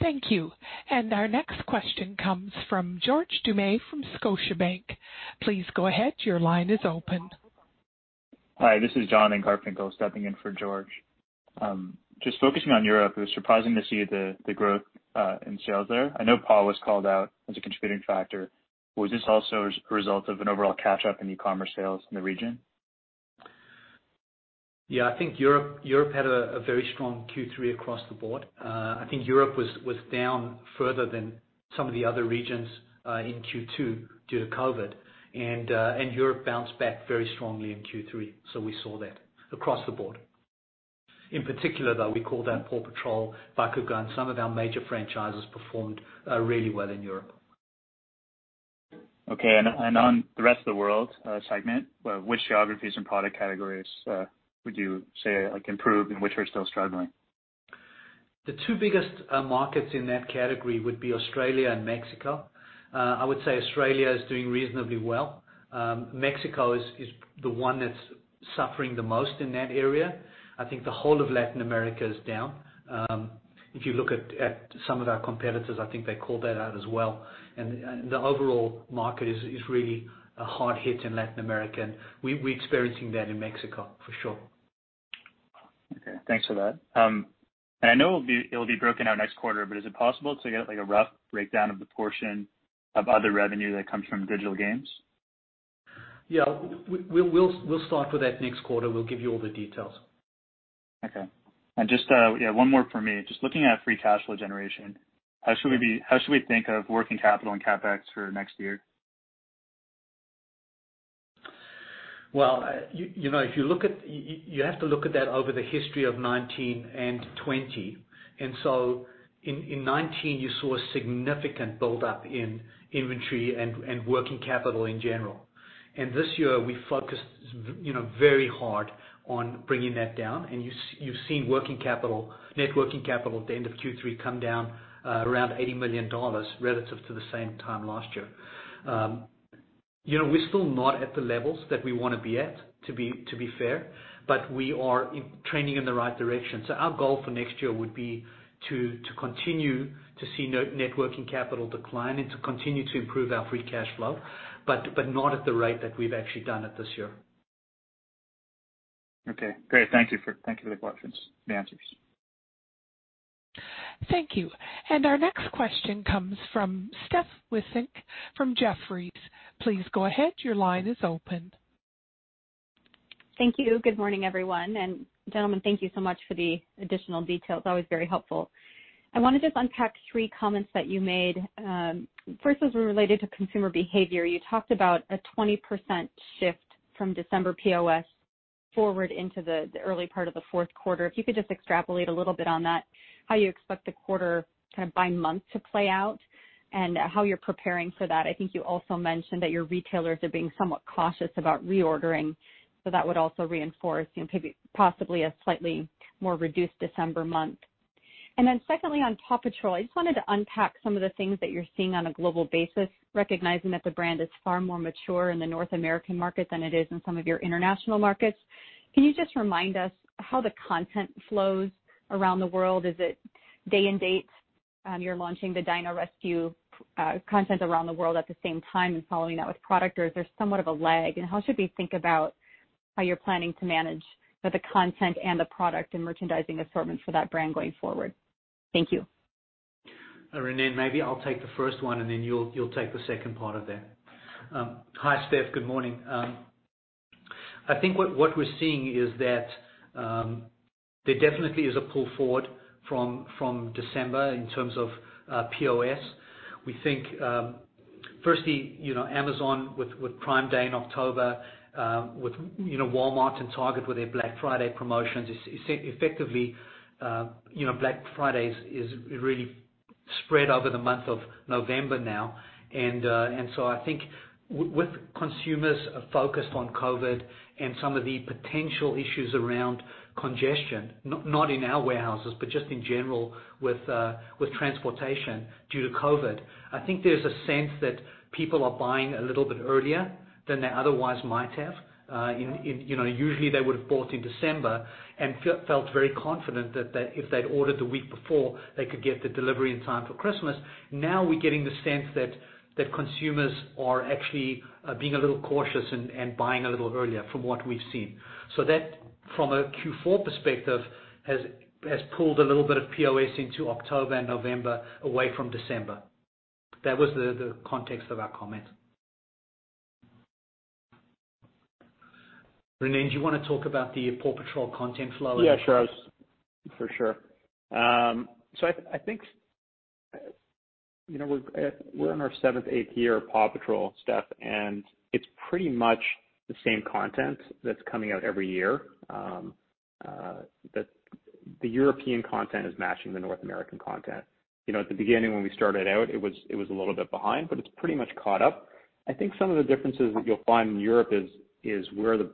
Thank you. Our next question comes from George Doumet from Scotiabank. Please go ahead, your line is open. Hi, this is John Incarninto stepping in for George. Just focusing on Europe, it was surprising to see the growth in sales there. I know PAW was called out as a contributing factor. Was this also a result of an overall catch-up in e-commerce sales in the region? I think Europe had a very strong Q3 across the board. I think Europe was down further than some of the other regions in Q2 due to COVID, and Europe bounced back very strongly in Q3, so we saw that across the board. In particular, though, we called out PAW Patrol, Bakugan, some of our major franchises performed really well in Europe. Okay, on the Rest of the World Segment, which geographies and product categories would you say improved and which are still struggling? The two biggest markets in that category would be Australia and Mexico. I would say Australia is doing reasonably well. Mexico is the one that's suffering the most in that area. I think the whole of Latin America is down. If you look at some of our competitors, I think they call that out as well. The overall market is really hard hit in Latin America, and we're experiencing that in Mexico for sure. Okay, thanks for that. I know it'll be broken out next quarter, but is it possible to get a rough breakdown of the portion of other revenue that comes from digital games? Yeah, we'll start with that next quarter. We'll give you all the details. Okay. Just one more from me. Just looking at free cash flow generation, how should we think of working capital and CapEx for next year? Well, you have to look at that over the history of 2019 and 2020. In 2019, you saw a significant buildup in inventory and working capital in general. This year we focused very hard on bringing that down. You've seen net working capital at the end of Q3 come down around $80 million relative to the same time last year. We're still not at the levels that we want to be at, to be fair, but we are trending in the right direction. Our goal for next year would be to continue to see net working capital decline and to continue to improve our free cash flow, but not at the rate that we've actually done it this year. Okay, great. Thank you for the answers. Thank you. Our next question comes from Stephanie Wissink from Jefferies. Please go ahead, your line is open. Thank you. Good morning, everyone. Gentlemen, thank you so much for the additional details. Always very helpful. I want to just unpack three comments that you made. First was related to consumer behavior. You talked about a 20% shift from December POS forward into the early part of the fourth quarter. If you could just extrapolate a little bit on that, how you expect the quarter by month to play out and how you're preparing for that. I think you also mentioned that your retailers are being somewhat cautious about reordering, so that would also reinforce possibly a slightly more reduced December month. Secondly, on PAW Patrol, I just wanted to unpack some of the things that you're seeing on a global basis, recognizing that the brand is far more mature in the North American market than it is in some of your international markets. Can you just remind us how the content flows around the world? Is it day and date? You're launching the Dino Rescue content around the world at the same time and following that with product, or is there somewhat of a lag? How should we think about how you're planning to manage the content and the product and merchandising assortment for that brand going forward? Thank you. Ronnen, maybe I'll take the first one, and then you'll take the second part of that. Hi, Steph. Good morning. I think what we're seeing is that there definitely is a pull forward from December in terms of POS. We think, firstly, Amazon with Prime Day in October, with Walmart and Target with their Black Friday promotions, effectively Black Friday is really spread over the month of November now. I think with consumers focused on COVID and some of the potential issues around congestion, not in our warehouses, but just in general with transportation due to COVID, I think there's a sense that people are buying a little bit earlier than they otherwise might have. Usually they would've bought in December and felt very confident that if they'd ordered the week before, they could get the delivery in time for Christmas. Now we're getting the sense that consumers are actually being a little cautious and buying a little earlier from what we've seen. From a Q4 perspective, has pulled a little bit of POS into October and November, away from December. That was the context of our comment. Ronnen, do you want to talk about the PAW Patrol content flow? Yeah, sure. For sure. I think we're in our seventh, eighth year of PAW Patrol stuff, and it's pretty much the same content that's coming out every year. The European content is matching the North American content. At the beginning when we started out, it was a little bit behind, but it's pretty much caught up. I think some of the differences that you'll find in Europe is where the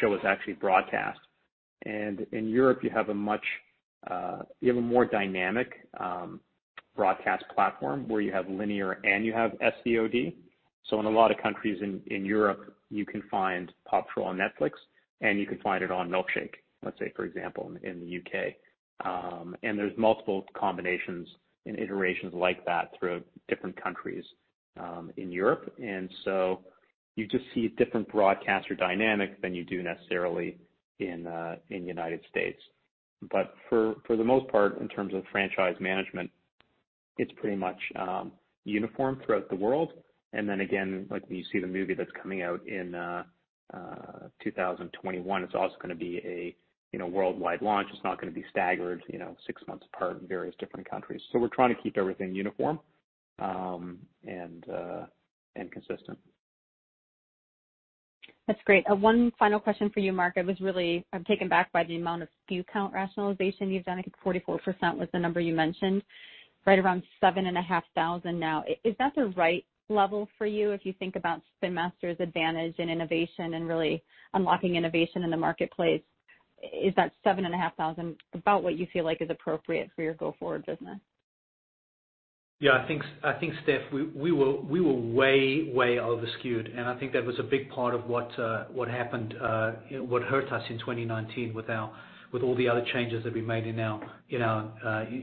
show is actually broadcast. In Europe, you have a more dynamic broadcast platform where you have linear and you have SVOD. In a lot of countries in Europe, you can find PAW Patrol on Netflix and you can find it on Milkshake!, let's say for example, in the U.K. There's multiple combinations and iterations like that through different countries in Europe. You just see a different broadcaster dynamic than you do necessarily in the U.S. For the most part, in terms of franchise management, it's pretty much uniform throughout the world. Again, like when you see the movie that's coming out in 2021, it's also going to be a worldwide launch. It's not going to be staggered six months apart in various different countries. We're trying to keep everything uniform and consistent. That's great. One final question for you, Mark. I was really taken aback by the amount of SKU count rationalization you've done. I think 44% was the number you mentioned, right around 7,500 now. Is that the right level for you if you think about Spin Master's advantage in innovation and really unlocking innovation in the marketplace? Is that 7,500 about what you feel like is appropriate for your go-forward business? Yeah, I think, Steph, we were way over-SKUed, I think that was a big part of what happened, what hurt us in 2019 with all the other changes that we made in our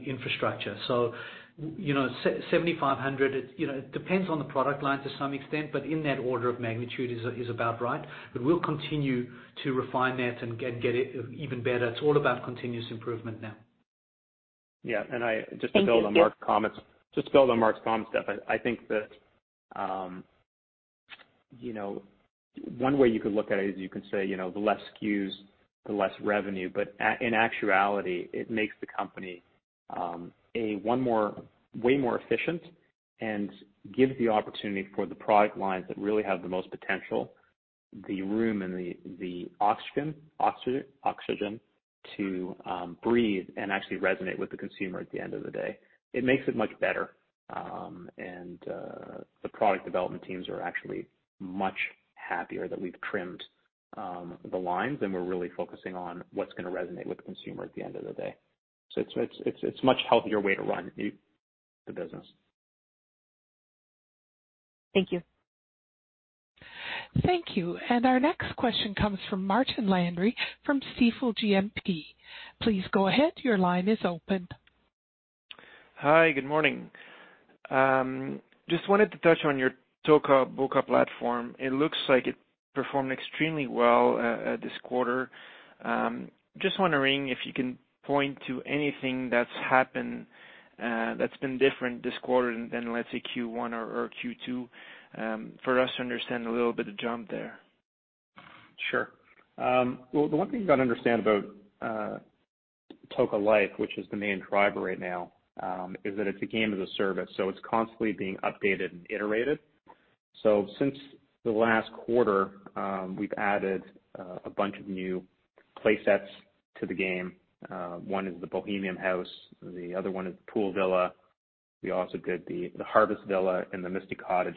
infrastructure. 7,500, it depends on the product line to some extent, but in that order of magnitude is about right. We'll continue to refine that and get it even better. It's all about continuous improvement now. Yeah. Thank you, Steph. Just to build on Mark's comments, Steph, I think that one way you could look at it is you could say, the less SKUs, the less revenue. In actuality, it makes the company way more efficient and gives the opportunity for the product lines that really have the most potential, the room and the oxygen to breathe and actually resonate with the consumer at the end of the day. It makes it much better. The product development teams are actually much happier that we've trimmed the lines, and we're really focusing on what's going to resonate with the consumer at the end of the day. It's a much healthier way to run the business. Thank you. Thank you. Our next question comes from Martin Landry from Stifel GMP. Please go ahead. Your line is open. Hi, good morning. Just wanted to touch on your Toca Boca platform. It looks like it performed extremely well this quarter. Just wondering if you can point to anything that's happened that's been different this quarter than, let's say Q1 or Q2 for us to understand a little bit of jump there. The one thing you've got to understand about Toca Life, which is the main driver right now, is that it's a game as a service, it's constantly being updated and iterated. Since the last quarter, we've added a bunch of new play sets to the game. One is the Bohemian House, the other one is Pool Villa. We also did the Harvest Festival and the Misty Cottage.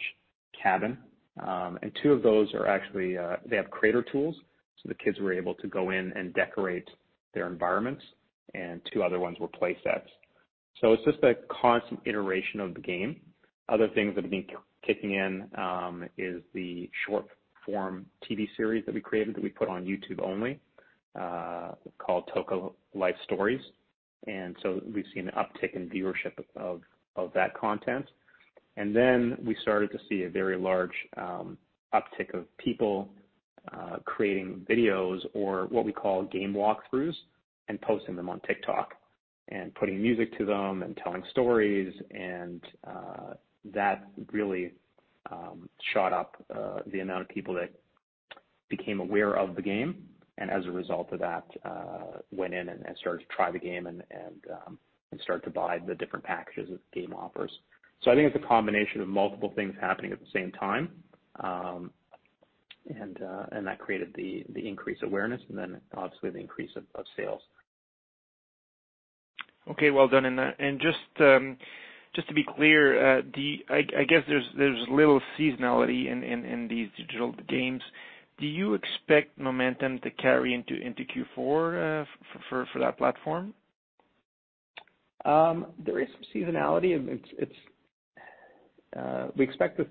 Two of those actually have creator tools, the kids were able to go in and decorate their environments, two other ones were play sets. It's just a constant iteration of the game. Other things that have been kicking in is the short form TV series that we created that we put on YouTube only, called Toca Life Stories. We've seen an uptick in viewership of that content. Then we started to see a very large uptick of people creating videos or what we call game walkthroughs and posting them on TikTok and putting music to them and telling stories and that really shot up the amount of people that became aware of the game. As a result of that, went in and started to try the game and start to buy the different packages that the game offers. I think it's a combination of multiple things happening at the same time. That created the increased awareness and then obviously the increase of sales. Okay. Well done in that. Just to be clear, I guess there's little seasonality in these digital games. Do you expect momentum to carry into Q4 for that platform? There is some seasonality. We expect that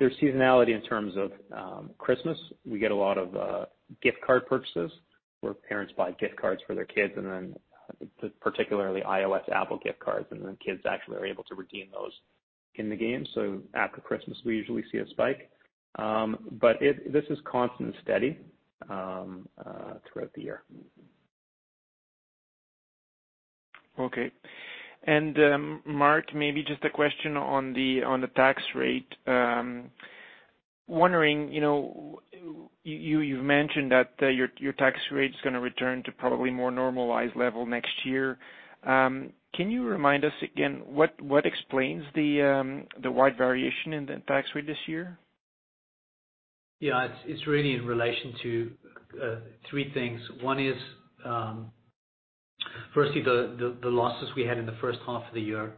there's seasonality in terms of Christmas. We get a lot of gift card purchases, where parents buy gift cards for their kids, and then particularly iOS Apple gift cards, and then kids actually are able to redeem those in the game. After Christmas, we usually see a spike. This is constant and steady throughout the year. Okay. Mark, maybe just a question on the tax rate. Wondering, you've mentioned that your tax rate's going to return to probably more normalized level next year. Can you remind us again, what explains the wide variation in the tax rate this year? It's really in relation to three things. One is, firstly, the losses we had in the first half of the year.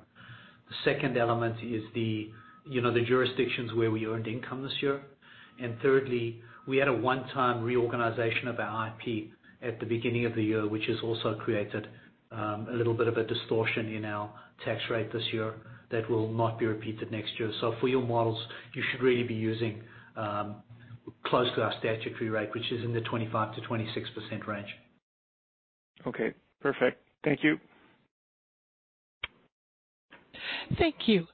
The second element is the jurisdictions where we earned income this year. Thirdly, we had a one-time reorganization of our IP at the beginning of the year, which has also created a little bit of a distortion in our tax rate this year that will not be repeated next year. For your models, you should really be using close to our statutory rate, which is in the 25%-26% range. Okay, perfect. Thank you. Thank you.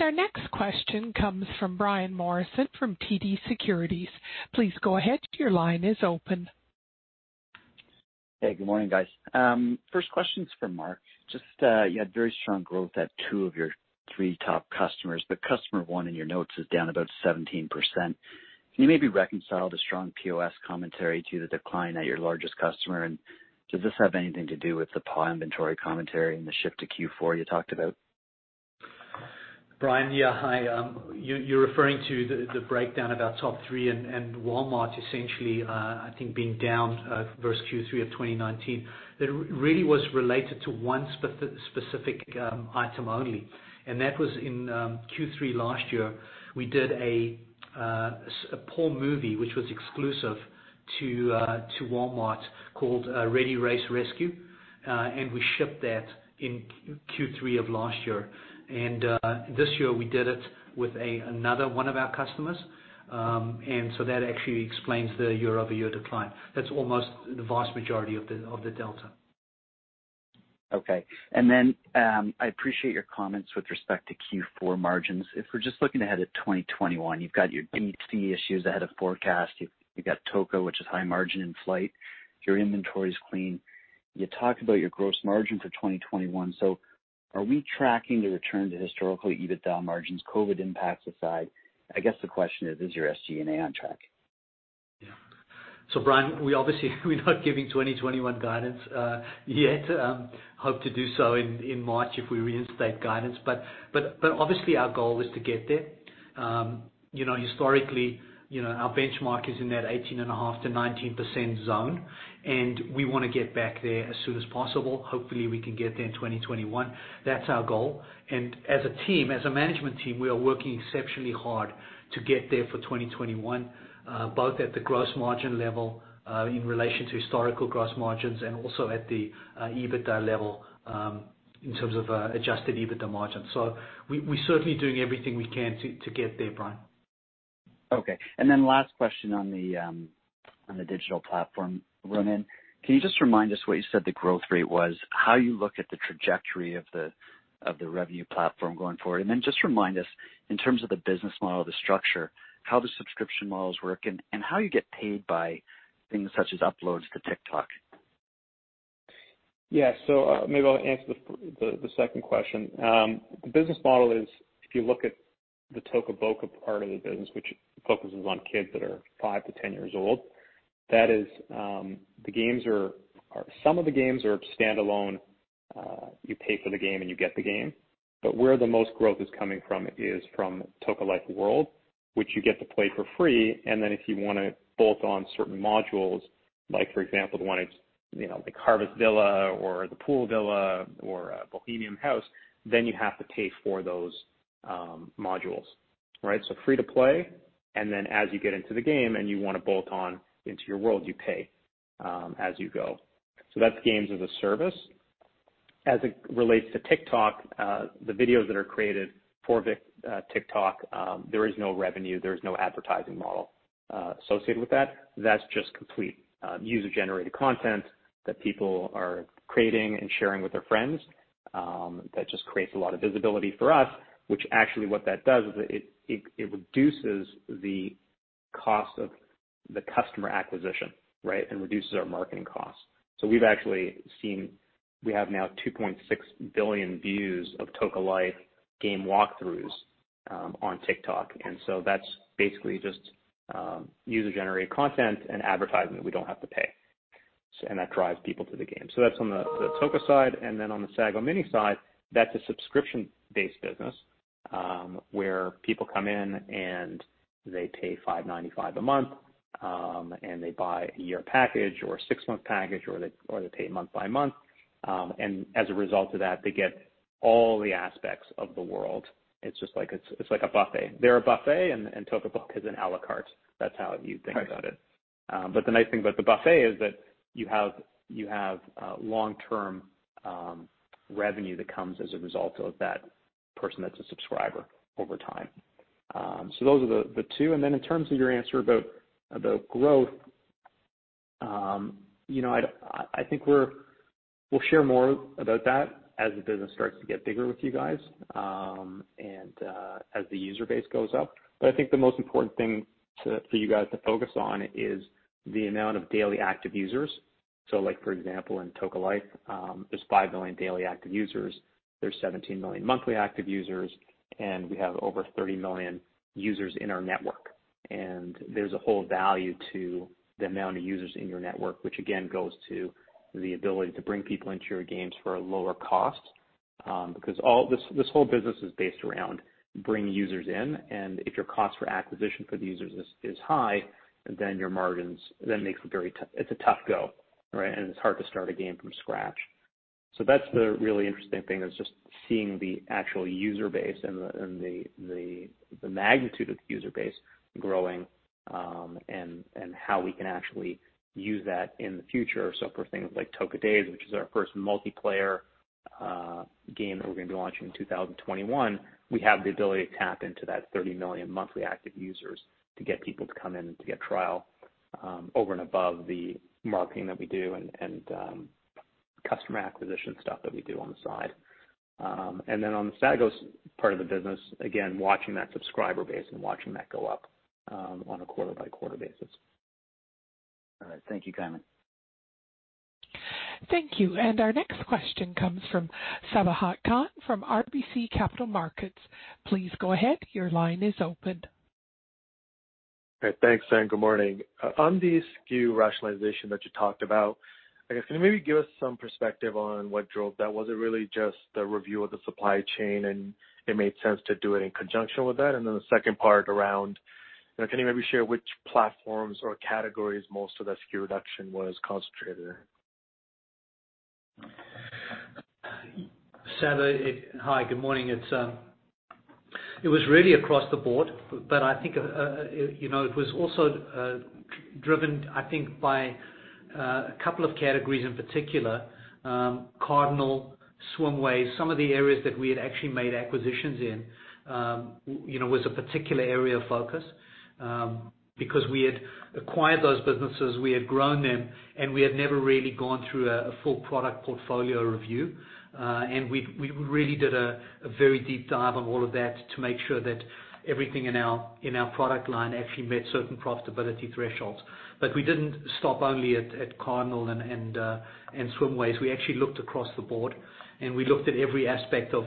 Our next question comes from Brian Morrison from TD Securities. Please go ahead. Your line is open. Hey, good morning, guys. First question's for Mark. You had very strong growth at two of your three top customers. Customer one in your notes is down about 17%. Can you maybe reconcile the strong POS commentary to the decline at your largest customer, and does this have anything to do with the PAW inventory commentary and the shift to Q4 you talked about? Brian. You're referring to the breakdown of our top three and Walmart essentially, I think being down versus Q3 of 2019. That really was related to one specific item only, and that was in Q3 last year, we did a PAW movie which was exclusive to Walmart called "Ready Race Rescue," and we shipped that in Q3 of last year. This year we did it with another one of our customers. That actually explains the year-over-year decline. That's almost the vast majority of the delta. Okay. I appreciate your comments with respect to Q4 margins. If we're just looking ahead at 2021, you've got your DTC issues ahead of forecast. You've got Toca, which is high margin in flight. Your inventory's clean. You talked about your gross margin for 2021. Are we tracking to return to historical EBITDA margins, COVID impacts aside? I guess the question is your SG&A on track? Yeah. Brian, obviously we're not giving 2021 guidance yet. Hope to do so in March if we reinstate guidance. Obviously our goal is to get there. Historically, our benchmark is in that 18.5%-19% zone, and we want to get back there as soon as possible. Hopefully, we can get there in 2021. That's our goal. As a team, as a management team, we are working exceptionally hard to get there for 2021, both at the gross margin level, in relation to historical gross margins, and also at the EBITDA level, in terms of adjusted EBITDA margins. We're certainly doing everything we can to get there, Brian. Okay. Last question on the digital platform, Ronnen. Can you just remind us what you said the growth rate was, how you look at the trajectory of the revenue platform going forward, and then just remind us in terms of the business model, the structure, how the subscription models work and how you get paid by things such as uploads to TikTok? Yeah, maybe I'll answer the second question. The business model is, if you look at the Toca Boca part of the business, which focuses on kids that are five to 10 years old, some of the games are standalone. You pay for the game, and you get the game. Where the most growth is coming from is from Toca Life World, which you get to play for free, and then if you want to bolt on certain modules, like, for example, the one that's the Harvest Villa or the Pool Villa or Bohemian House, you have to pay for those modules. Free to play, and then as you get into the game and you want to bolt on into your world, you pay as you go. That's games as a service. As it relates to TikTok, the videos that are created for TikTok, there is no revenue, there's no advertising model associated with that. That's just complete user-generated content that people are creating and sharing with their friends. That just creates a lot of visibility for us, which actually what that does is it reduces the cost of the customer acquisition and reduces our marketing costs. We've actually seen, we have now 2.6 billion views of Toca Life game walkthroughs on TikTok. That's basically just user-generated content and advertisement we don't have to pay, and that drives people to the game. That's on the Toca side. Then on the Sago Mini side, that's a subscription-based business, where people come in and they pay $5.95 a month, and they buy a year package or a six-month package, or they pay month by month. As a result of that, they get all the aspects of Toca Life World. It's like a buffet. They're a buffet, Toca Boca is an à la carte. That's how you think about it. The nice thing about the buffet is that you have long-term revenue that comes as a result of that person that's a subscriber over time. Those are the two. Then in terms of your answer about growth, I think we'll share more about that as the business starts to get bigger with you guys and as the user base goes up. I think the most important thing for you guys to focus on is the amount of daily active users. Like, for example, in Toca Life, there's 5 million daily active users, there's 17 million monthly active users, and we have over 30 million users in our network. There's a whole value to the amount of users in your network, which again, goes to the ability to bring people into your games for a lower cost. This whole business is based around bringing users in, and if your cost for acquisition for the users is high, then your margins, it's a tough go. It's hard to start a game from scratch. That's the really interesting thing, is just seeing the actual user base and the magnitude of the user base growing, and how we can actually use that in the future. For things like Toca Boca Days, which is our first multiplayer game that we're going to be launching in 2021, we have the ability to tap into that 30 million monthly active users to get people to come in and to get trial over and above the marketing that we do and customer acquisition stuff that we do on the side. Then on the Sago Mini part of the business, again, watching that subscriber base and watching that go up on a quarter-by-quarter basis. All right. Thank you, Ronnen. Thank you. Our next question comes from Sabahat Khan from RBC Capital Markets. Please go ahead. Your line is open. Hey, thanks, and good morning. On the SKU rationalization that you talked about, I guess, can you maybe give us some perspective on what drove that? Was it really just the review of the supply chain, and it made sense to do it in conjunction with that? The second part around, can you maybe share which platforms or categories most of the SKU reduction was concentrated in? Sabahat, hi. Good morning. It was really across the board, but I think it was also driven, I think, by a couple of categories in particular, Cardinal, SwimWays. Some of the areas that we had actually made acquisitions in was a particular area of focus. We had acquired those businesses, we had grown them, and we had never really gone through a full product portfolio review. We really did a very deep dive on all of that to make sure that everything in our product line actually met certain profitability thresholds. We didn't stop only at Cardinal and SwimWays. We actually looked across the board, and we looked at every aspect of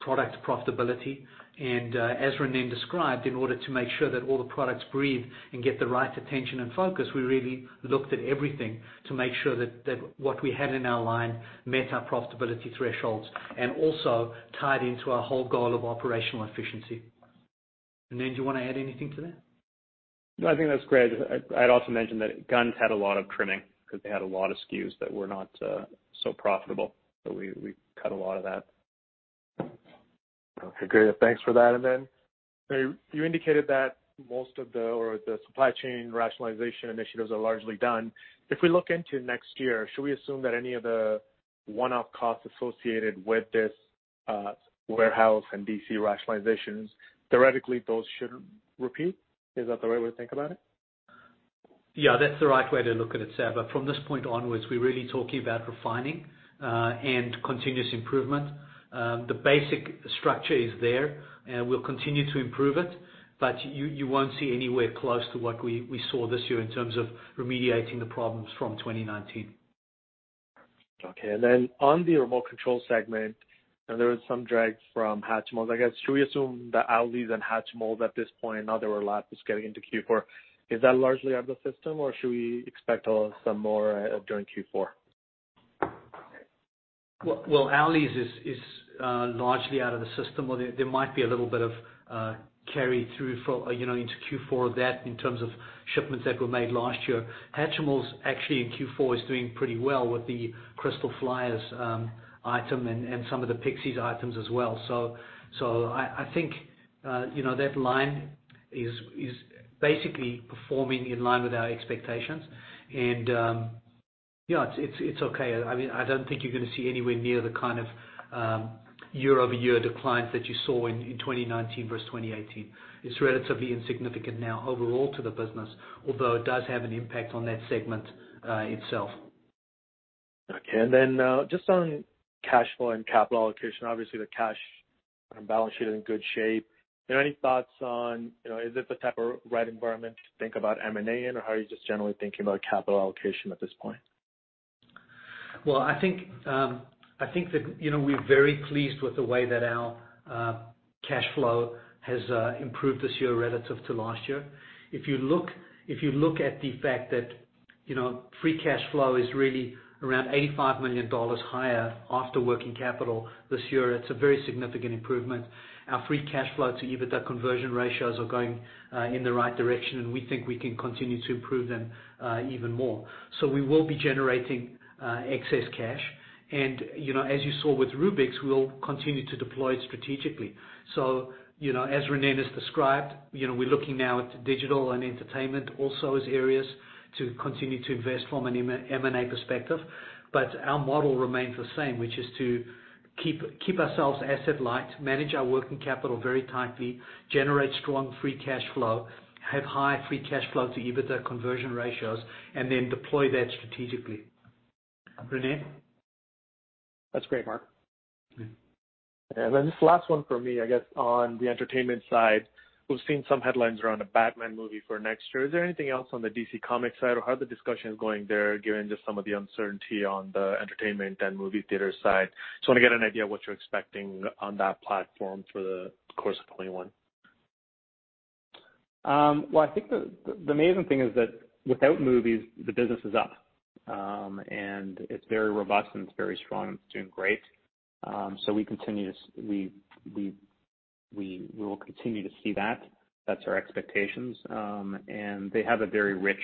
product profitability. As Ronnen described, in order to make sure that all the products breathe and get the right attention and focus, we really looked at everything to make sure that what we had in our line met our profitability thresholds and also tied into our whole goal of operational efficiency. Ronnen, do you want to add anything to that? I think that's great. I'd also mention that GUND had a lot of trimming because they had a lot of SKUs that were not so profitable. We cut a lot of that. Okay, great. Thanks for that. Then you indicated that most of the supply chain rationalization initiatives are largely done. If we look into next year, should we assume that any of the one-off costs associated with this warehouse and DC rationalizations, theoretically, those shouldn't repeat? Is that the right way to think about it? Yeah, that's the right way to look at it, Sabahat. From this point onwards, we're really talking about refining. Continuous improvement. The basic structure is there, and we'll continue to improve it, but you won't see anywhere close to what we saw this year in terms of remediating the problems from 2019. Okay. On the remote control segment, there was some drag from Hatchimals. I guess, should we assume that Owleez and Hatchimals at this point, now that we're lapsed, it's getting into Q4. Is that largely out of the system, or should we expect some more during Q4? Owleez is largely out of the system. There might be a little bit of carry-through into Q4 of that in terms of shipments that were made last year. Hatchimals, actually in Q4, is doing pretty well with the Crystal Flyers item and some of the Pixies items as well. I think that line is basically performing in line with our expectations. Yeah, it's okay. I don't think you're going to see anywhere near the kind of year-over-year declines that you saw in 2019 versus 2018. It's relatively insignificant now overall to the business, although it does have an impact on that segment itself. Okay. Just on cash flow and capital allocation, obviously, the cash on the balance sheet is in good shape. Are there any thoughts on, is this the type of right environment to think about M&A, or how are you just generally thinking about capital allocation at this point? I think that we're very pleased with the way that our cash flow has improved this year relative to last year. If you look at the fact that free cash flow is really around 85 million dollars higher after working capital this year, it's a very significant improvement. Our free cash flow to EBITDA conversion ratios are going in the right direction, and we think we can continue to improve them even more. We will be generating excess cash. As you saw with Rubik's, we will continue to deploy strategically. As Ronnen has described, we're looking now into digital and entertainment also as areas to continue to invest from an M&A perspective. Our model remains the same, which is to keep ourselves asset light, manage our working capital very tightly, generate strong free cash flow, have high free cash flow to EBITDA conversion ratios, and then deploy that strategically. Ronnen? That's great, Mark. Yeah. Just the last one from me, I guess, on the entertainment side. We've seen some headlines around a Batman movie for next year. Is there anything else on the DC Comic side, or how are the discussions going there, given just some of the uncertainty on the entertainment and movie theater side? I just want to get an idea of what you're expecting on that platform for the course of 2021. Well, I think the amazing thing is that without movies, the business is up. It's very robust, and it's very strong. It's doing great. We will continue to see that. That's our expectations. They have a very rich,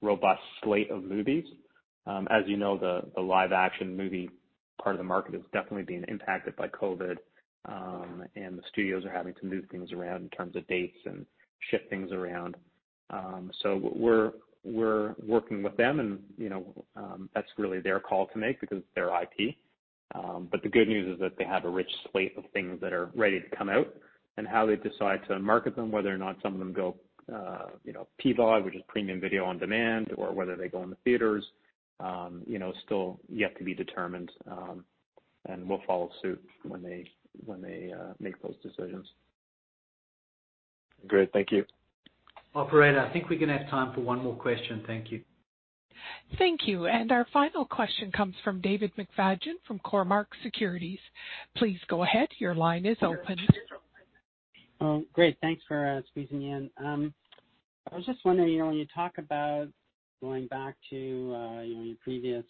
robust slate of movies. As you know, the live-action movie part of the market is definitely being impacted by COVID, and the studios are having to move things around in terms of dates and shift things around. We're working with them, and that's really their call to make because it's their IP. The good news is that they have a rich slate of things that are ready to come out. How they decide to market them, whether or not some of them go PVOD, which is premium video on demand, or whether they go in the theaters, still yet to be determined. We'll follow suit when they make those decisions. Great. Thank you. Operator, I think we're going to have time for one more question. Thank you. Thank you. Our final question comes from David McFadgen from Cormark Securities. Please go ahead. Your line is open. Great. Thanks for squeezing me in. I was just wondering, when you talk about going back to your previous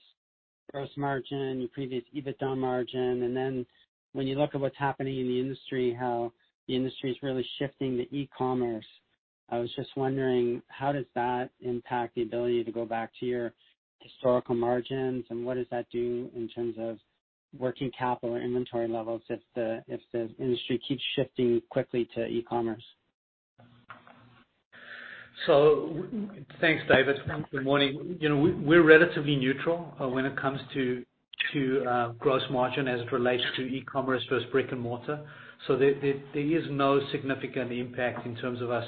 gross margin, your previous EBITDA margin, when you look at what's happening in the industry, how the industry's really shifting to e-commerce. I was just wondering, how does that impact the ability to go back to your historical margins, and what does that do in terms of working capital or inventory levels if the industry keeps shifting quickly to e-commerce? Thanks, David. Good morning. We're relatively neutral when it comes to gross margin as it relates to e-commerce versus brick and mortar. There is no significant impact in terms of us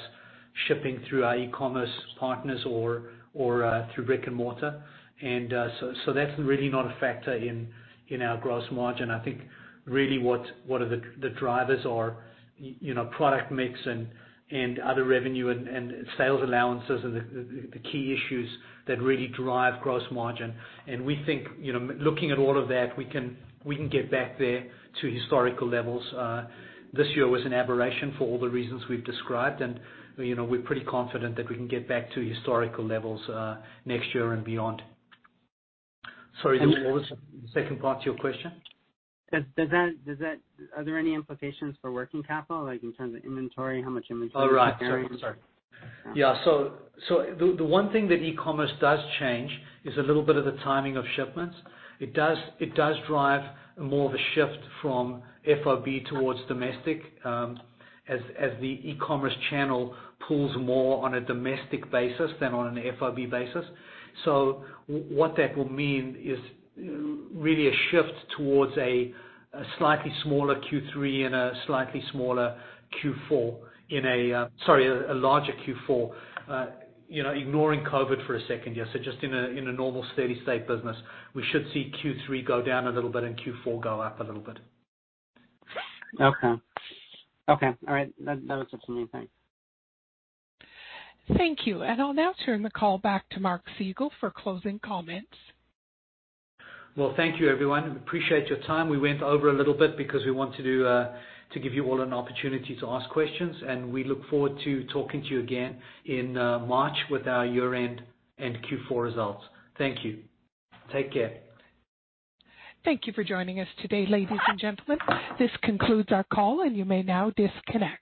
shipping through our e-commerce partners or through brick and mortar. That's really not a factor in our gross margin. I think really what the drivers are, product mix and other revenue and sales allowances are the key issues that really drive gross margin. We think, looking at all of that, we can get back there to historical levels. This year was an aberration for all the reasons we've described, and we're pretty confident that we can get back to historical levels next year and beyond. Sorry, what was the second part to your question? Are there any implications for working capital, like in terms of inventory, how much inventory to carry? Oh, right. Sorry. Yeah. The one thing that e-commerce does change is a little bit of the timing of shipments. It does drive more of a shift from FOB towards domestic, as the e-commerce channel pulls more on a domestic basis than on an FOB basis. What that will mean is really a shift towards a slightly smaller Q3 and a slightly smaller Q4 in a Sorry, a larger Q4. Ignoring COVID for a second, yeah, just in a normal steady state business, we should see Q3 go down a little bit and Q4 go up a little bit. Okay. All right. That was just something. Thanks. Thank you. I'll now turn the call back to Mark Segal for closing comments. Well, thank you, everyone. Appreciate your time. We went over a little bit because we wanted to give you all an opportunity to ask questions, and we look forward to talking to you again in March with our year-end and Q4 results. Thank you. Take care. Thank you for joining us today, ladies and gentlemen. This concludes our call. You may now disconnect.